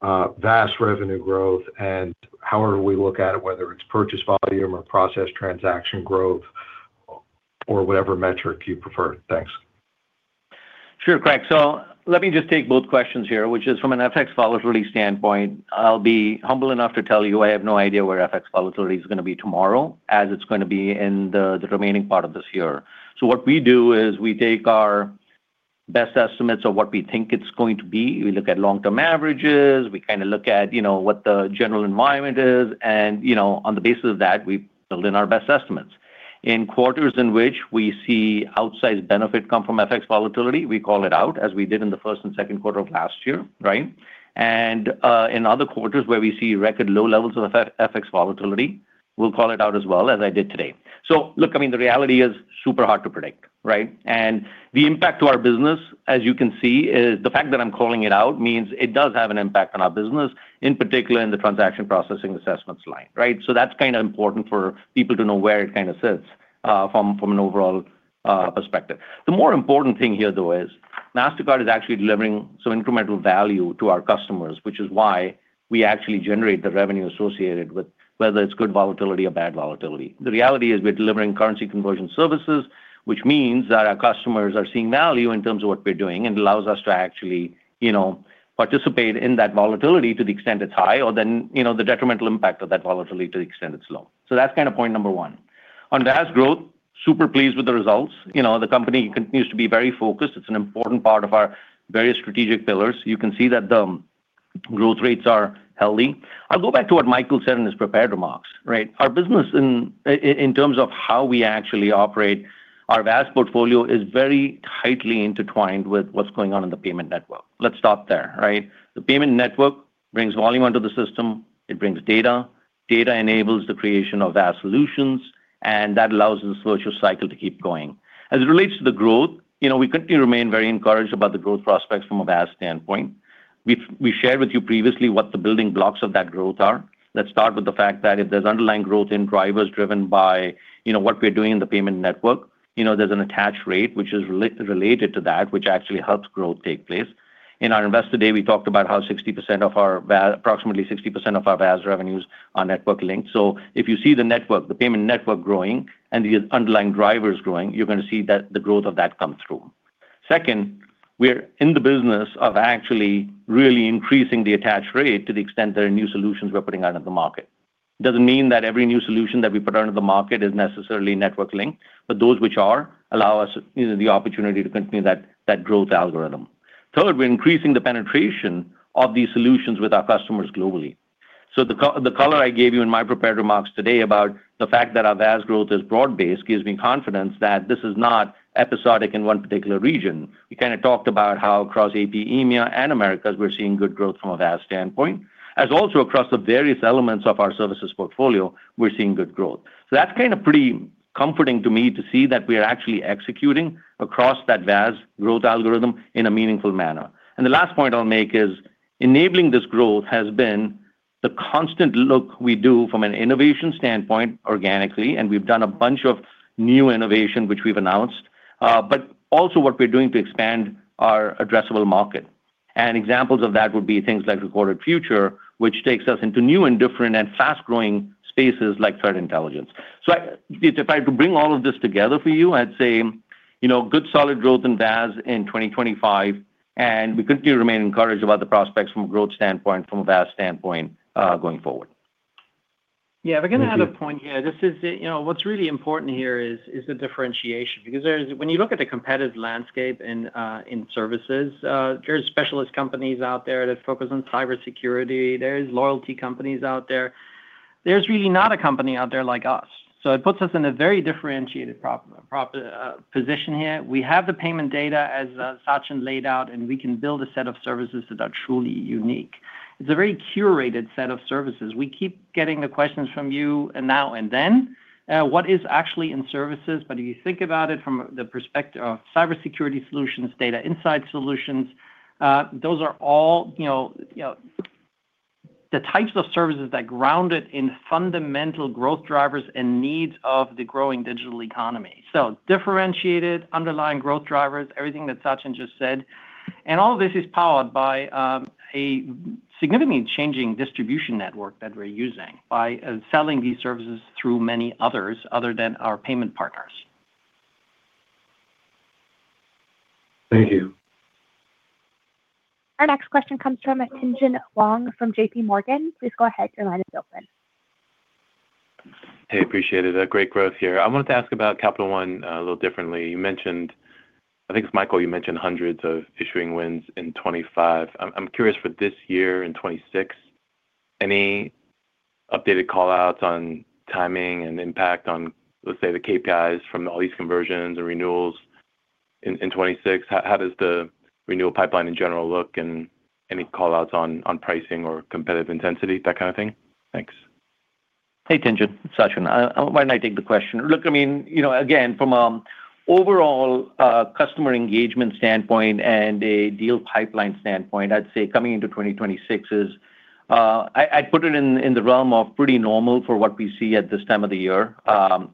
vs. revenue growth and however we look at it, whether it's purchase volume or processed transaction growth or whatever metric you prefer. Thanks. Sure, Craig. Let me just take both questions here, which is from an FX volatility standpoint. I'll be humble enough to tell you I have no idea where FX volatility is going to be tomorrow as it's going to be in the remaining part of this year. What we do is we take our best estimates of what we think it's going to be. We look at long-term averages. We kind of look at what the general environment is. And on the basis of that, we build in our best estimates. In quarters in which we see outsized benefit come from FX volatility, we call it out as we did in the first and second quarter of last year, right? And in other quarters where we see record low levels of FX volatility, we'll call it out as well as I did today. So look, I mean, the reality is super hard to predict, right? And the impact to our business, as you can see, the fact that I'm calling it out means it does have an impact on our business, in particular in the transaction processing assessments line, right? So that's kind of important for people to know where it kind of sits from an overall perspective. The more important thing here, though, is Mastercard is actually delivering some incremental value to our customers, which is why we actually generate the revenue associated with whether it's good volatility or bad volatility. The reality is we're delivering currency conversion services, which means that our customers are seeing value in terms of what we're doing and allows us to actually participate in that volatility to the extent it's high or then the detrimental impact of that volatility to the extent it's low. So that's kind of point number one. On VAS growth, super pleased with the results. The company continues to be very focused. It's an important part of our various strategic pillars. You can see that the growth rates are healthy. I'll go back to what Michael said in his prepared remarks, right? Our business in terms of how we actually operate our VAS portfolio is very tightly intertwined with what's going on in the payment network. Let's stop there, right? The payment network brings volume onto the system. It brings data. Data enables the creation of VAS solutions, and that allows the virtuous cycle to keep going. As it relates to the growth, we continue to remain very encouraged about the growth prospects from a VAS standpoint. We shared with you previously what the building blocks of that growth are. Let's start with the fact that if there's underlying growth in drivers driven by what we're doing in the payment network, there's an attached rate which is related to that, which actually helps growth take place. In our investor day, we talked about how approximately 60% of our VAS revenues are network linked. So if you see the network, the payment network growing and the underlying drivers growing, you're going to see that the growth of that come through. Second, we're in the business of actually really increasing the attached rate to the extent there are new solutions we're putting out into the market. It doesn't mean that every new solution that we put out into the market is necessarily network linked, but those which are allow us the opportunity to continue that growth algorithm. Third, we're increasing the penetration of these solutions with our customers globally. So the color I gave you in my prepared remarks today about the fact that our VAS growth is broad-based gives me confidence that this is not episodic in one particular region. We kind of talked about how across APIA and Americas, we're seeing good growth from a VAS standpoint, as also across the various elements of our services portfolio, we're seeing good growth. So that's kind of pretty comforting to me to see that we are actually executing across that growth algorithm in a meaningful manner. And the last point I'll make is enabling this growth has been the constant look we do from an innovation standpoint organically, and we've done a bunch of new innovation which we've announced, but also what we're doing to expand our addressable market. And examples of that would be things like Recorded Future, which takes us into new and different and fast-growing spaces like threat intelligence. So if I had to bring all of this together for you, I'd say good solid growth in VAS in 2025, and we continue to remain encouraged about the prospects from a growth standpoint, from a VAS standpoint going forward. Yeah. We're going to add a point here. What's really important here is the differentiation because when you look at the competitive landscape in services, there are specialist companies out there that focus on cybersecurity. There are loyalty companies out there. There's really not a company out there like us. So it puts us in a very differentiated position here. We have the payment data as Sachin laid out, and we can build a set of services that are truly unique. It's a very curated set of services. We keep getting the questions from you now and then, what is actually in services, but if you think about it from the perspective of cybersecurity solutions, data insight solutions, those are all the types of services that grounded in fundamental growth drivers and needs of the growing digital economy. So differentiated underlying growth drivers, everything that Sachin just said. And all of this is powered by a significantly changing distribution network that we're using by selling these services through many others other than our payment partners. Thank you. Our next question comes from Tien-tsin Huang from JPMorgan. Please go ahead. Your line is open. Hey, appreciate it. Great growth here. I wanted to ask about Capital One a little differently. I think it's Michael. You mentioned hundreds of issuing wins in 2025. I'm curious for this year in 2026, any updated callouts on timing and impact on, let's say, the KPIs from all these conversions and renewals in 2026? How does the renewal pipeline in general look and any callouts on pricing or competitive intensity, that kind of thing? Thanks. Hey, Jason. Sachin. Why don't I take the question? Look, I mean, again, from an overall customer engagement standpoint and a deal pipeline standpoint, I'd say coming into 2026 is I'd put it in the realm of pretty normal for what we see at this time of the year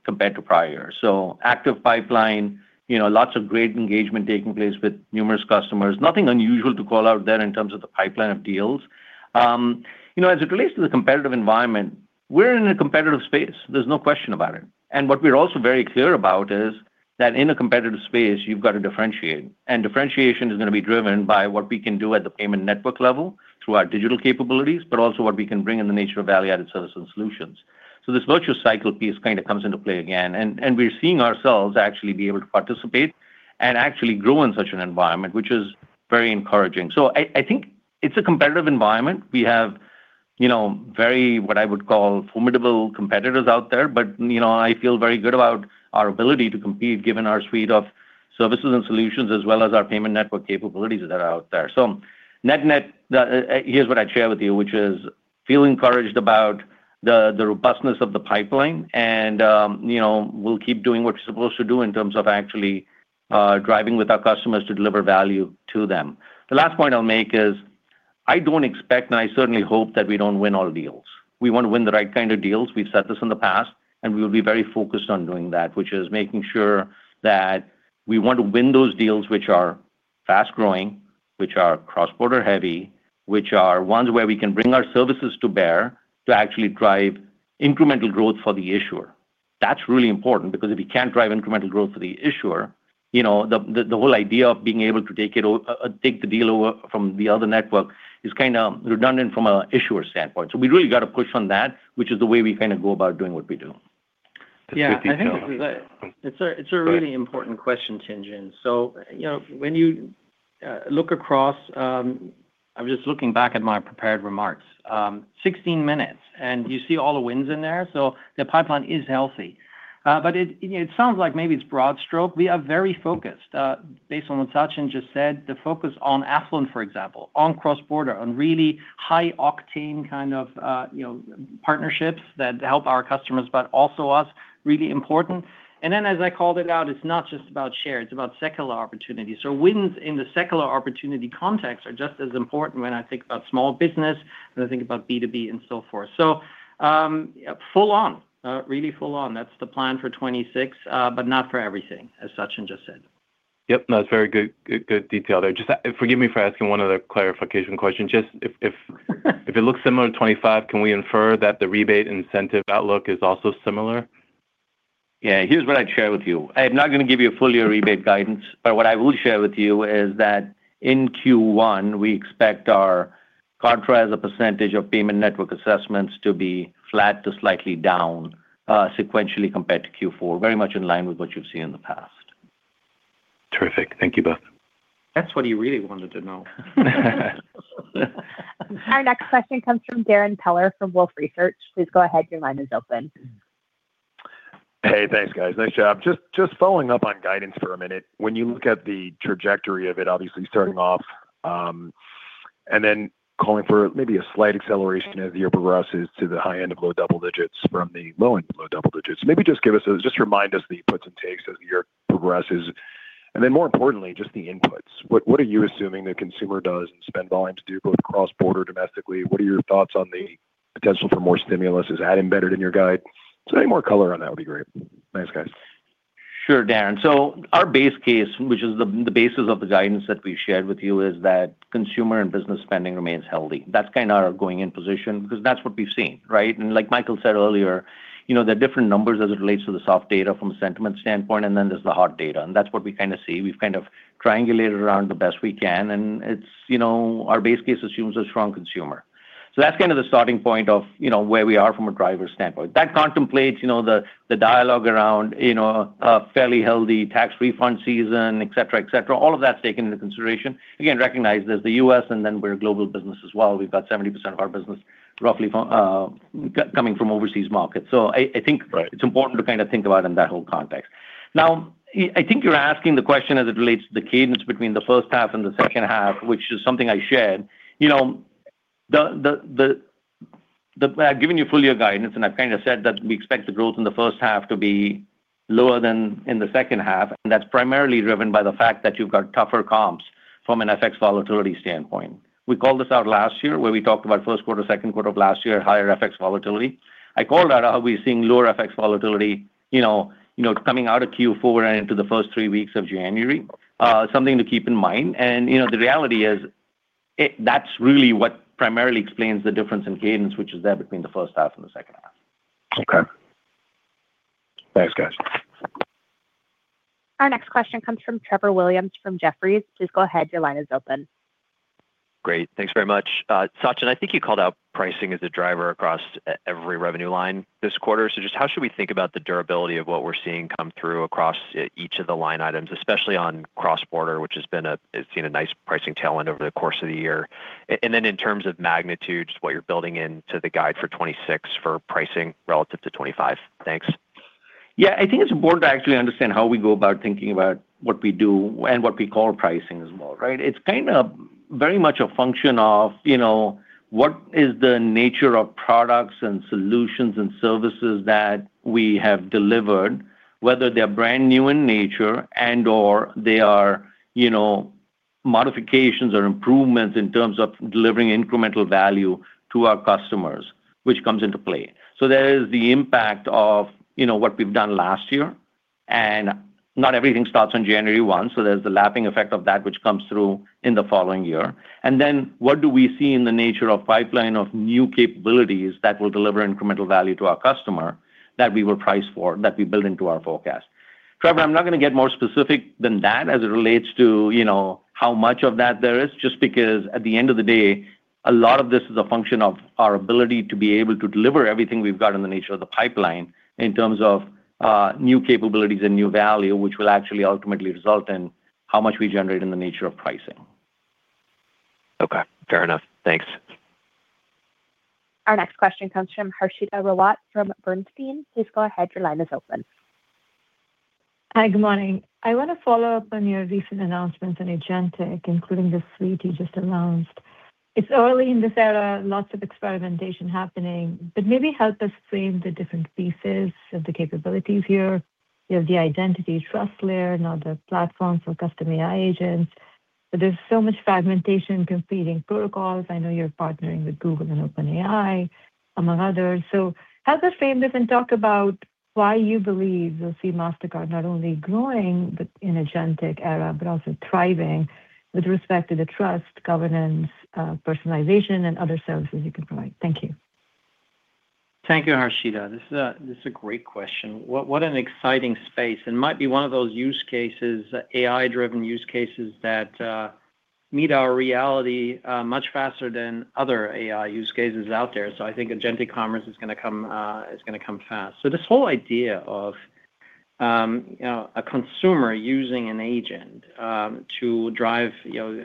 compared to prior years. So active pipeline, lots of great engagement taking place with numerous customers. Nothing unusual to call out there in terms of the pipeline of deals. As it relates to the competitive environment, we're in a competitive space. There's no question about it. And what we're also very clear about is that in a competitive space, you've got to differentiate. And differentiation is going to be driven by what we can do at the payment network level through our digital capabilities, but also what we can bring in the nature of value-added services and solutions. So this virtual cycle piece kind of comes into play again. And we're seeing ourselves actually be able to participate and actually grow in such an environment, which is very encouraging. So I think it's a competitive environment. We have very, what I would call, formidable competitors out there, but I feel very good about our ability to compete given our suite of services and solutions as well as our payment network capabilities that are out there. So here's what I'd share with you, which is feel encouraged about the robustness of the pipeline, and we'll keep doing what we're supposed to do in terms of actually driving with our customers to deliver value to them. The last point I'll make is I don't expect, and I certainly hope that we don't win all deals. We want to win the right kind of deals. We've said this in the past, and we will be very focused on doing that, which is making sure that we want to win those deals which are fast-growing, which are cross-border heavy, which are ones where we can bring our services to bear to actually drive incremental growth for the issuer. That's really important because if we can't drive incremental growth for the issuer, the whole idea of being able to take the deal over from the other network is kind of redundant from an issuer standpoint. So we really got to push on that, which is the way we kind of go about doing what we do. Yeah. I think it's a really important question, Tien-tsin. So when you look across, I'm just looking back at my prepared remarks, 16 minutes, and you see all the wins in there. So the pipeline is healthy. But it sounds like maybe it's broad stroke. We are very focused. Based on what Sachin just said, the focus on affluent, for example, on cross-border, on really high-octane kind of partnerships that help our customers, but also us, really important. And then, as I called it out, it's not just about share. It's about secular opportunity. So wins in the secular opportunity context are just as important when I think about small business, when I think about B2B, and so forth. So full on, really full on. That's the plan for 2026, but not for everything, as Sachin just said. Yep. That's very good detail there. Just forgive me for asking one other clarification question. Just if it looks similar to 2025, can we infer that the rebate incentive outlook is also similar? Yeah. Here's what I'd share with you. I'm not going to give you a full year rebate guidance, but what I will share with you is that in Q1, we expect our contraction in percentage of payment network assessments to be flat to slightly down sequentially compared to Q4, very much in line with what you've seen in the past. Terrific. Thank you both. That's what he really wanted to know. Our next question comes from Darren Peller from Wolfe Research. Please go ahead. Your line is open. Hey, thanks, guys. Nice job. Just following up on guidance for a minute. When you look at the trajectory of it, obviously starting off and then calling for maybe a slight acceleration as the year progresses to the high end of low double digits from the low end of low double digits, maybe just remind us of the puts and takes as the year progresses. And then, more importantly, just the inputs. What are you assuming the consumer does and spend volumes do both cross-border, domestically? What are your thoughts on the potential for more stimulus? Is that embedded in your guide? So any more color on that would be great. Thanks, guys. Sure, Darren. Our base case, which is the basis of the guidance that we shared with you, is that consumer and business spending remains healthy. That's kind of our going-in position because that's what we've seen, right? And like Michael said earlier, there are different numbers as it relates to the soft data from a sentiment standpoint, and then there's the hard data. And that's what we kind of see. We've kind of triangulated around the best we can, and our base case assumes a strong consumer. So that's kind of the starting point of where we are from a driver's standpoint. That contemplates the dialogue around a fairly healthy tax refund season, etc., etc. All of that's taken into consideration. Again, recognize there's the U.S., and then we're a global business as well. We've got 70% of our business roughly coming from overseas markets. So I think it's important to kind of think about it in that whole context. Now, I think you're asking the question as it relates to the cadence between the first half and the second half, which is something I shared. I've given you full year guidance, and I've kind of said that we expect the growth in the first half to be lower than in the second half, and that's primarily driven by the fact that you've got tougher comps from an FX volatility standpoint. We called this out last year where we talked about first quarter, second quarter of last year, higher FX volatility. I called out how we're seeing lower FX volatility coming out of Q4 and into the first three weeks of January, something to keep in mind. The reality is that's really what primarily explains the difference in cadence, which is there between the first half and the second half. Okay. Thanks, guys. Our next question comes from Trevor Williams from Jefferies. Please go ahead. Your line is open. Great. Thanks very much. Sachin, I think you called out pricing as a driver across every revenue line this quarter. So just how should we think about the durability of what we're seeing come through across each of the line items, especially on cross-border, which has seen a nice pricing tailwind over the course of the year? And then in terms of magnitude, what you're building into the guide for 2026 for pricing relative to 2025? Thanks. Yeah. I think it's important to actually understand how we go about thinking about what we do and what we call pricing as well, right? It's kind of very much a function of what is the nature of products and solutions and services that we have delivered, whether they're brand new in nature and/or they are modifications or improvements in terms of delivering incremental value to our customers, which comes into play. So there is the impact of what we've done last year, and not everything starts on January 1. So there's the lapping effect of that, which comes through in the following year. And then what do we see in the nature of pipeline of new capabilities that will deliver incremental value to our customer that we will price for, that we build into our forecast? Trevor, I'm not going to get more specific than that as it relates to how much of that there is, just because at the end of the day, a lot of this is a function of our ability to be able to deliver everything we've got in the nature of the pipeline in terms of new capabilities and new value, which will actually ultimately result in how much we generate in the nature of pricing. Okay. Fair enough. Thanks. Our next question comes from Harshita Rawat from Bernstein. Please go ahead. Your line is open. Hi, good morning. I want to follow up on your recent announcements on Agentic, including the suite you just announced. It's early in this era, lots of experimentation happening, but maybe help us frame the different pieces of the capabilities here. You have the identity trust layer, now the platform for custom AI agents. But there's so much fragmentation competing protocols. I know you're partnering with Google and OpenAI, among others. So help us frame this and talk about why you believe you'll see Mastercard not only growing in the Agentic era, but also thriving with respect to the trust, governance, personalization, and other services you can provide. Thank you. Thank you, Harshita. This is a great question. What an exciting space. It might be one of those use cases, AI-driven use cases that meet our reality much faster than other AI use cases out there. So I think Agentic Commerce is going to come fast. So this whole idea of a consumer using an agent to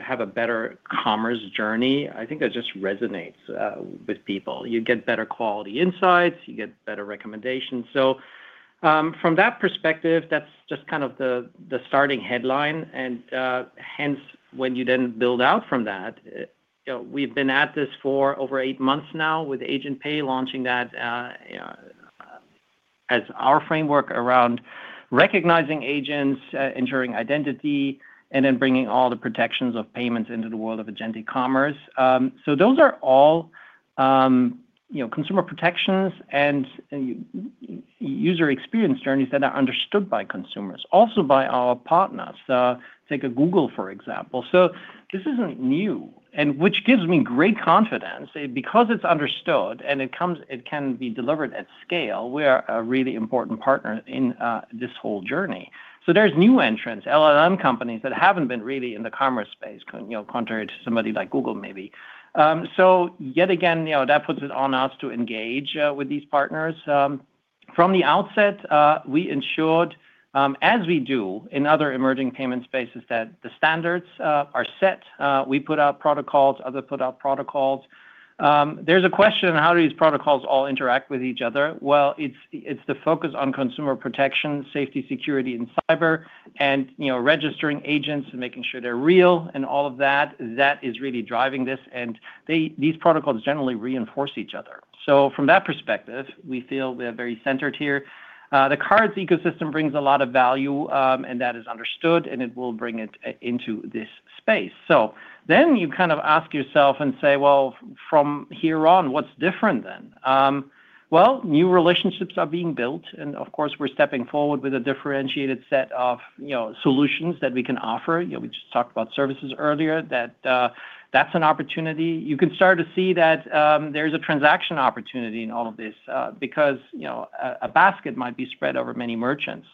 have a better commerce journey, I think that just resonates with people. You get better quality insights. You get better recommendations. So from that perspective, that's just kind of the starting headline. Hence, when you then build out from that, we've been at this for over 8 months now with AgentPay launching that as our framework around recognizing agents, ensuring identity, and then bringing all the protections of payments into the world of Agentic Commerce. Those are all consumer protections and user experience journeys that are understood by consumers, also by our partners. Take Google, for example. This isn't new, which gives me great confidence because it's understood and it can be delivered at scale. We're a really important partner in this whole journey. There's new entrants, LLM companies that haven't been really in the commerce space, contrary to somebody like Google maybe. Yet again, that puts it on us to engage with these partners. From the outset, we ensured, as we do in other emerging payment spaces, that the standards are set. We put out protocols, others put out protocols. There's a question on how do these protocols all interact with each other. Well, it's the focus on consumer protection, safety, security in cyber, and registering agents and making sure they're real and all of that. That is really driving this. And these protocols generally reinforce each other. So from that perspective, we feel we're very centered here. The cards ecosystem brings a lot of value, and that is understood, and it will bring it into this space. So then you kind of ask yourself and say, "Well, from here on, what's different then?" Well, new relationships are being built. And of course, we're stepping forward with a differentiated set of solutions that we can offer. We just talked about services earlier that that's an opportunity. You can start to see that there's a transaction opportunity in all of this because a basket might be spread over many merchants.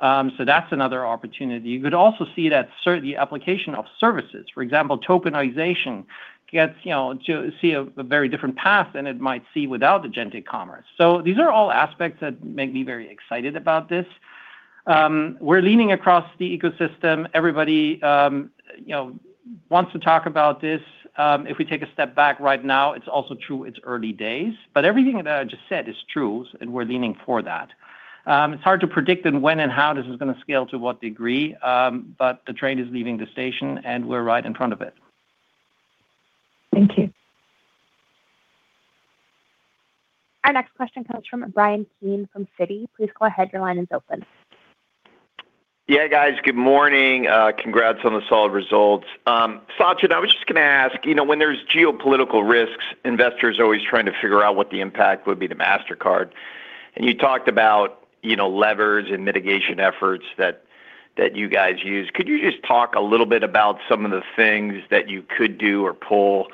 So that's another opportunity. You could also see that certainly application of services, for example, tokenization, gets to see a very different path than it might see without Agentic Commerce. So these are all aspects that make me very excited about this. We're leaning across the ecosystem. Everybody wants to talk about this. If we take a step back right now, it's also true it's early days. But everything that I just said is true, and we're leaning for that. It's hard to predict when and how this is going to scale to what degree, but the train is leaving the station, and we're right in front of it. Thank you. Our next question comes from Brian Keane from Citi. Please go ahead. Your line is open. Yeah, guys. Good morning. Congrats on the solid results. Sachin, I was just going to ask, when there's geopolitical risks, investors are always trying to figure out what the impact would be to Mastercard. And you talked about levers and mitigation efforts that you guys use. Could you just talk a little bit about some of the things that you could do or pull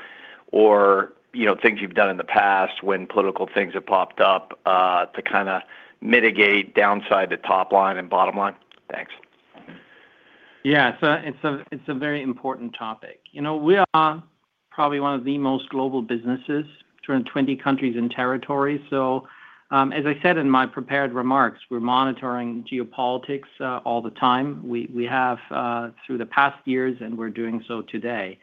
or things you've done in the past when political things have popped up to kind of mitigate downside to top line and bottom line? Thanks. Yeah. So it's a very important topic. We are probably one of the most global businesses from 20 countries and territories. So as I said in my prepared remarks, we're monitoring geopolitics all the time. We have through the past years, and we're doing so today.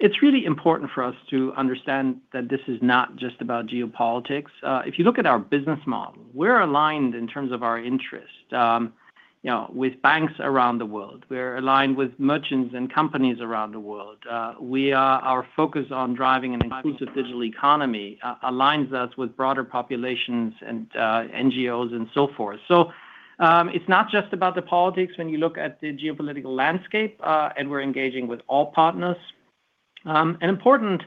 It's really important for us to understand that this is not just about geopolitics. If you look at our business model, we're aligned in terms of our interest with banks around the world. We're aligned with merchants and companies around the world. Our focus on driving an inclusive digital economy aligns us with broader populations and NGOs and so forth. So it's not just about the politics when you look at the geopolitical landscape, and we're engaging with all partners. An important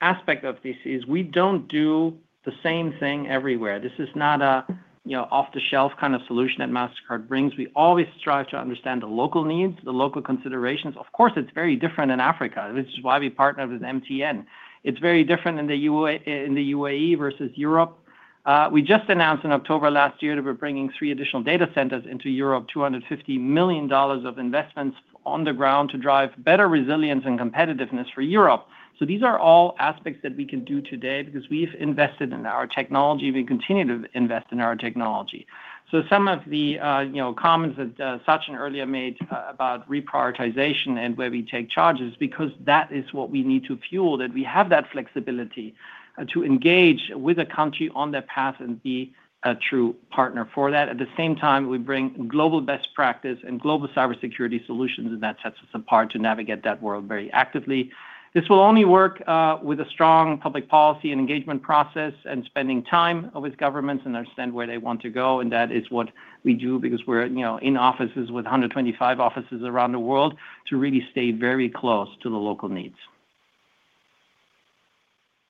aspect of this is we don't do the same thing everywhere. This is not an off-the-shelf kind of solution that Mastercard brings. We always strive to understand the local needs, the local considerations. Of course, it's very different in Africa, which is why we partnered with MTN. It's very different in the UAE versus Europe. We just announced in October last year that we're bringing three additional data centers into Europe, $250 million of investments on the ground to drive better resilience and competitiveness for Europe. So these are all aspects that we can do today because we've invested in our technology. We continue to invest in our technology. So some of the comments that Sachin earlier made about reprioritization and where we take charges is because that is what we need to fuel that we have that flexibility to engage with a country on their path and be a true partner for that. At the same time, we bring global best practice and global cybersecurity solutions, and that sets us apart to navigate that world very actively. This will only work with a strong public policy and engagement process and spending time with governments and understand where they want to go. And that is what we do because we're in offices with 125 offices around the world to really stay very close to the local needs.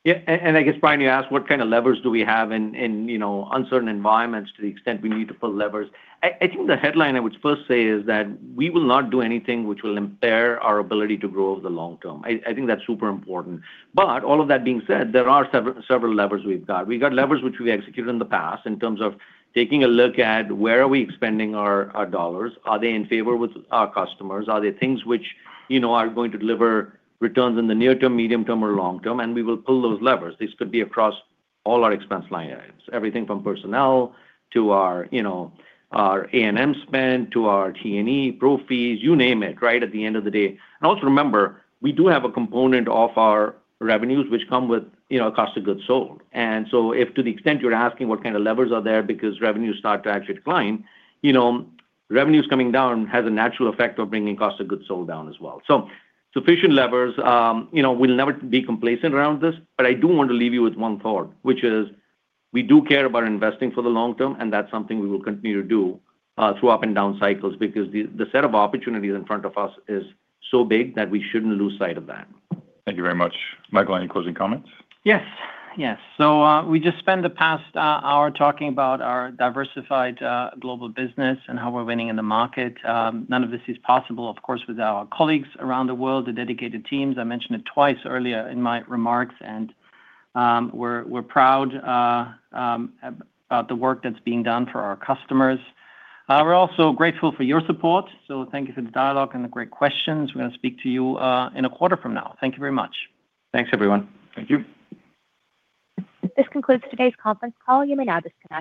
Yeah. And I guess, Brian, you asked what kind of levers do we have in uncertain environments to the extent we need to pull levers. I think the headline I would first say is that we will not do anything which will impair our ability to grow over the long term. I think that's super important. But all of that being said, there are several levers we've got. We've got levers which we've executed in the past in terms of taking a look at where are we expending our dollars. Are they in favor with our customers? Are there things which are going to deliver returns in the near term, medium term, or long term? And we will pull those levers. This could be across all our expense line items, everything from personnel to our A&M spend to our T&E, pro fees, you name it, right, at the end of the day. And also remember, we do have a component of our revenues which come with cost of goods sold. And so if to the extent you're asking what kind of levers are there because revenues start to actually decline, revenues coming down has a natural effect of bringing cost of goods sold down as well. So sufficient levers. We'll never be complacent around this, but I do want to leave you with one thought, which is we do care about investing for the long term, and that's something we will continue to do throughout up and down cycles because the set of opportunities in front of us is so big that we shouldn't lose sight of that. Thank you very much. Michael, any closing comments? Yes. Yes. So we just spent the past hour talking about our diversified global business and how we're winning in the market. None of this is possible, of course, without our colleagues around the world, the dedicated teams. I mentioned it twice earlier in my remarks, and we're proud about the work that's being done for our customers. We're also grateful for your support. So thank you for the dialogue and the great questions. We're going to speak to you in a quarter from now. Thank you very much. Thanks, everyone. Thank you. This concludes today's conference call. You may now disconnect.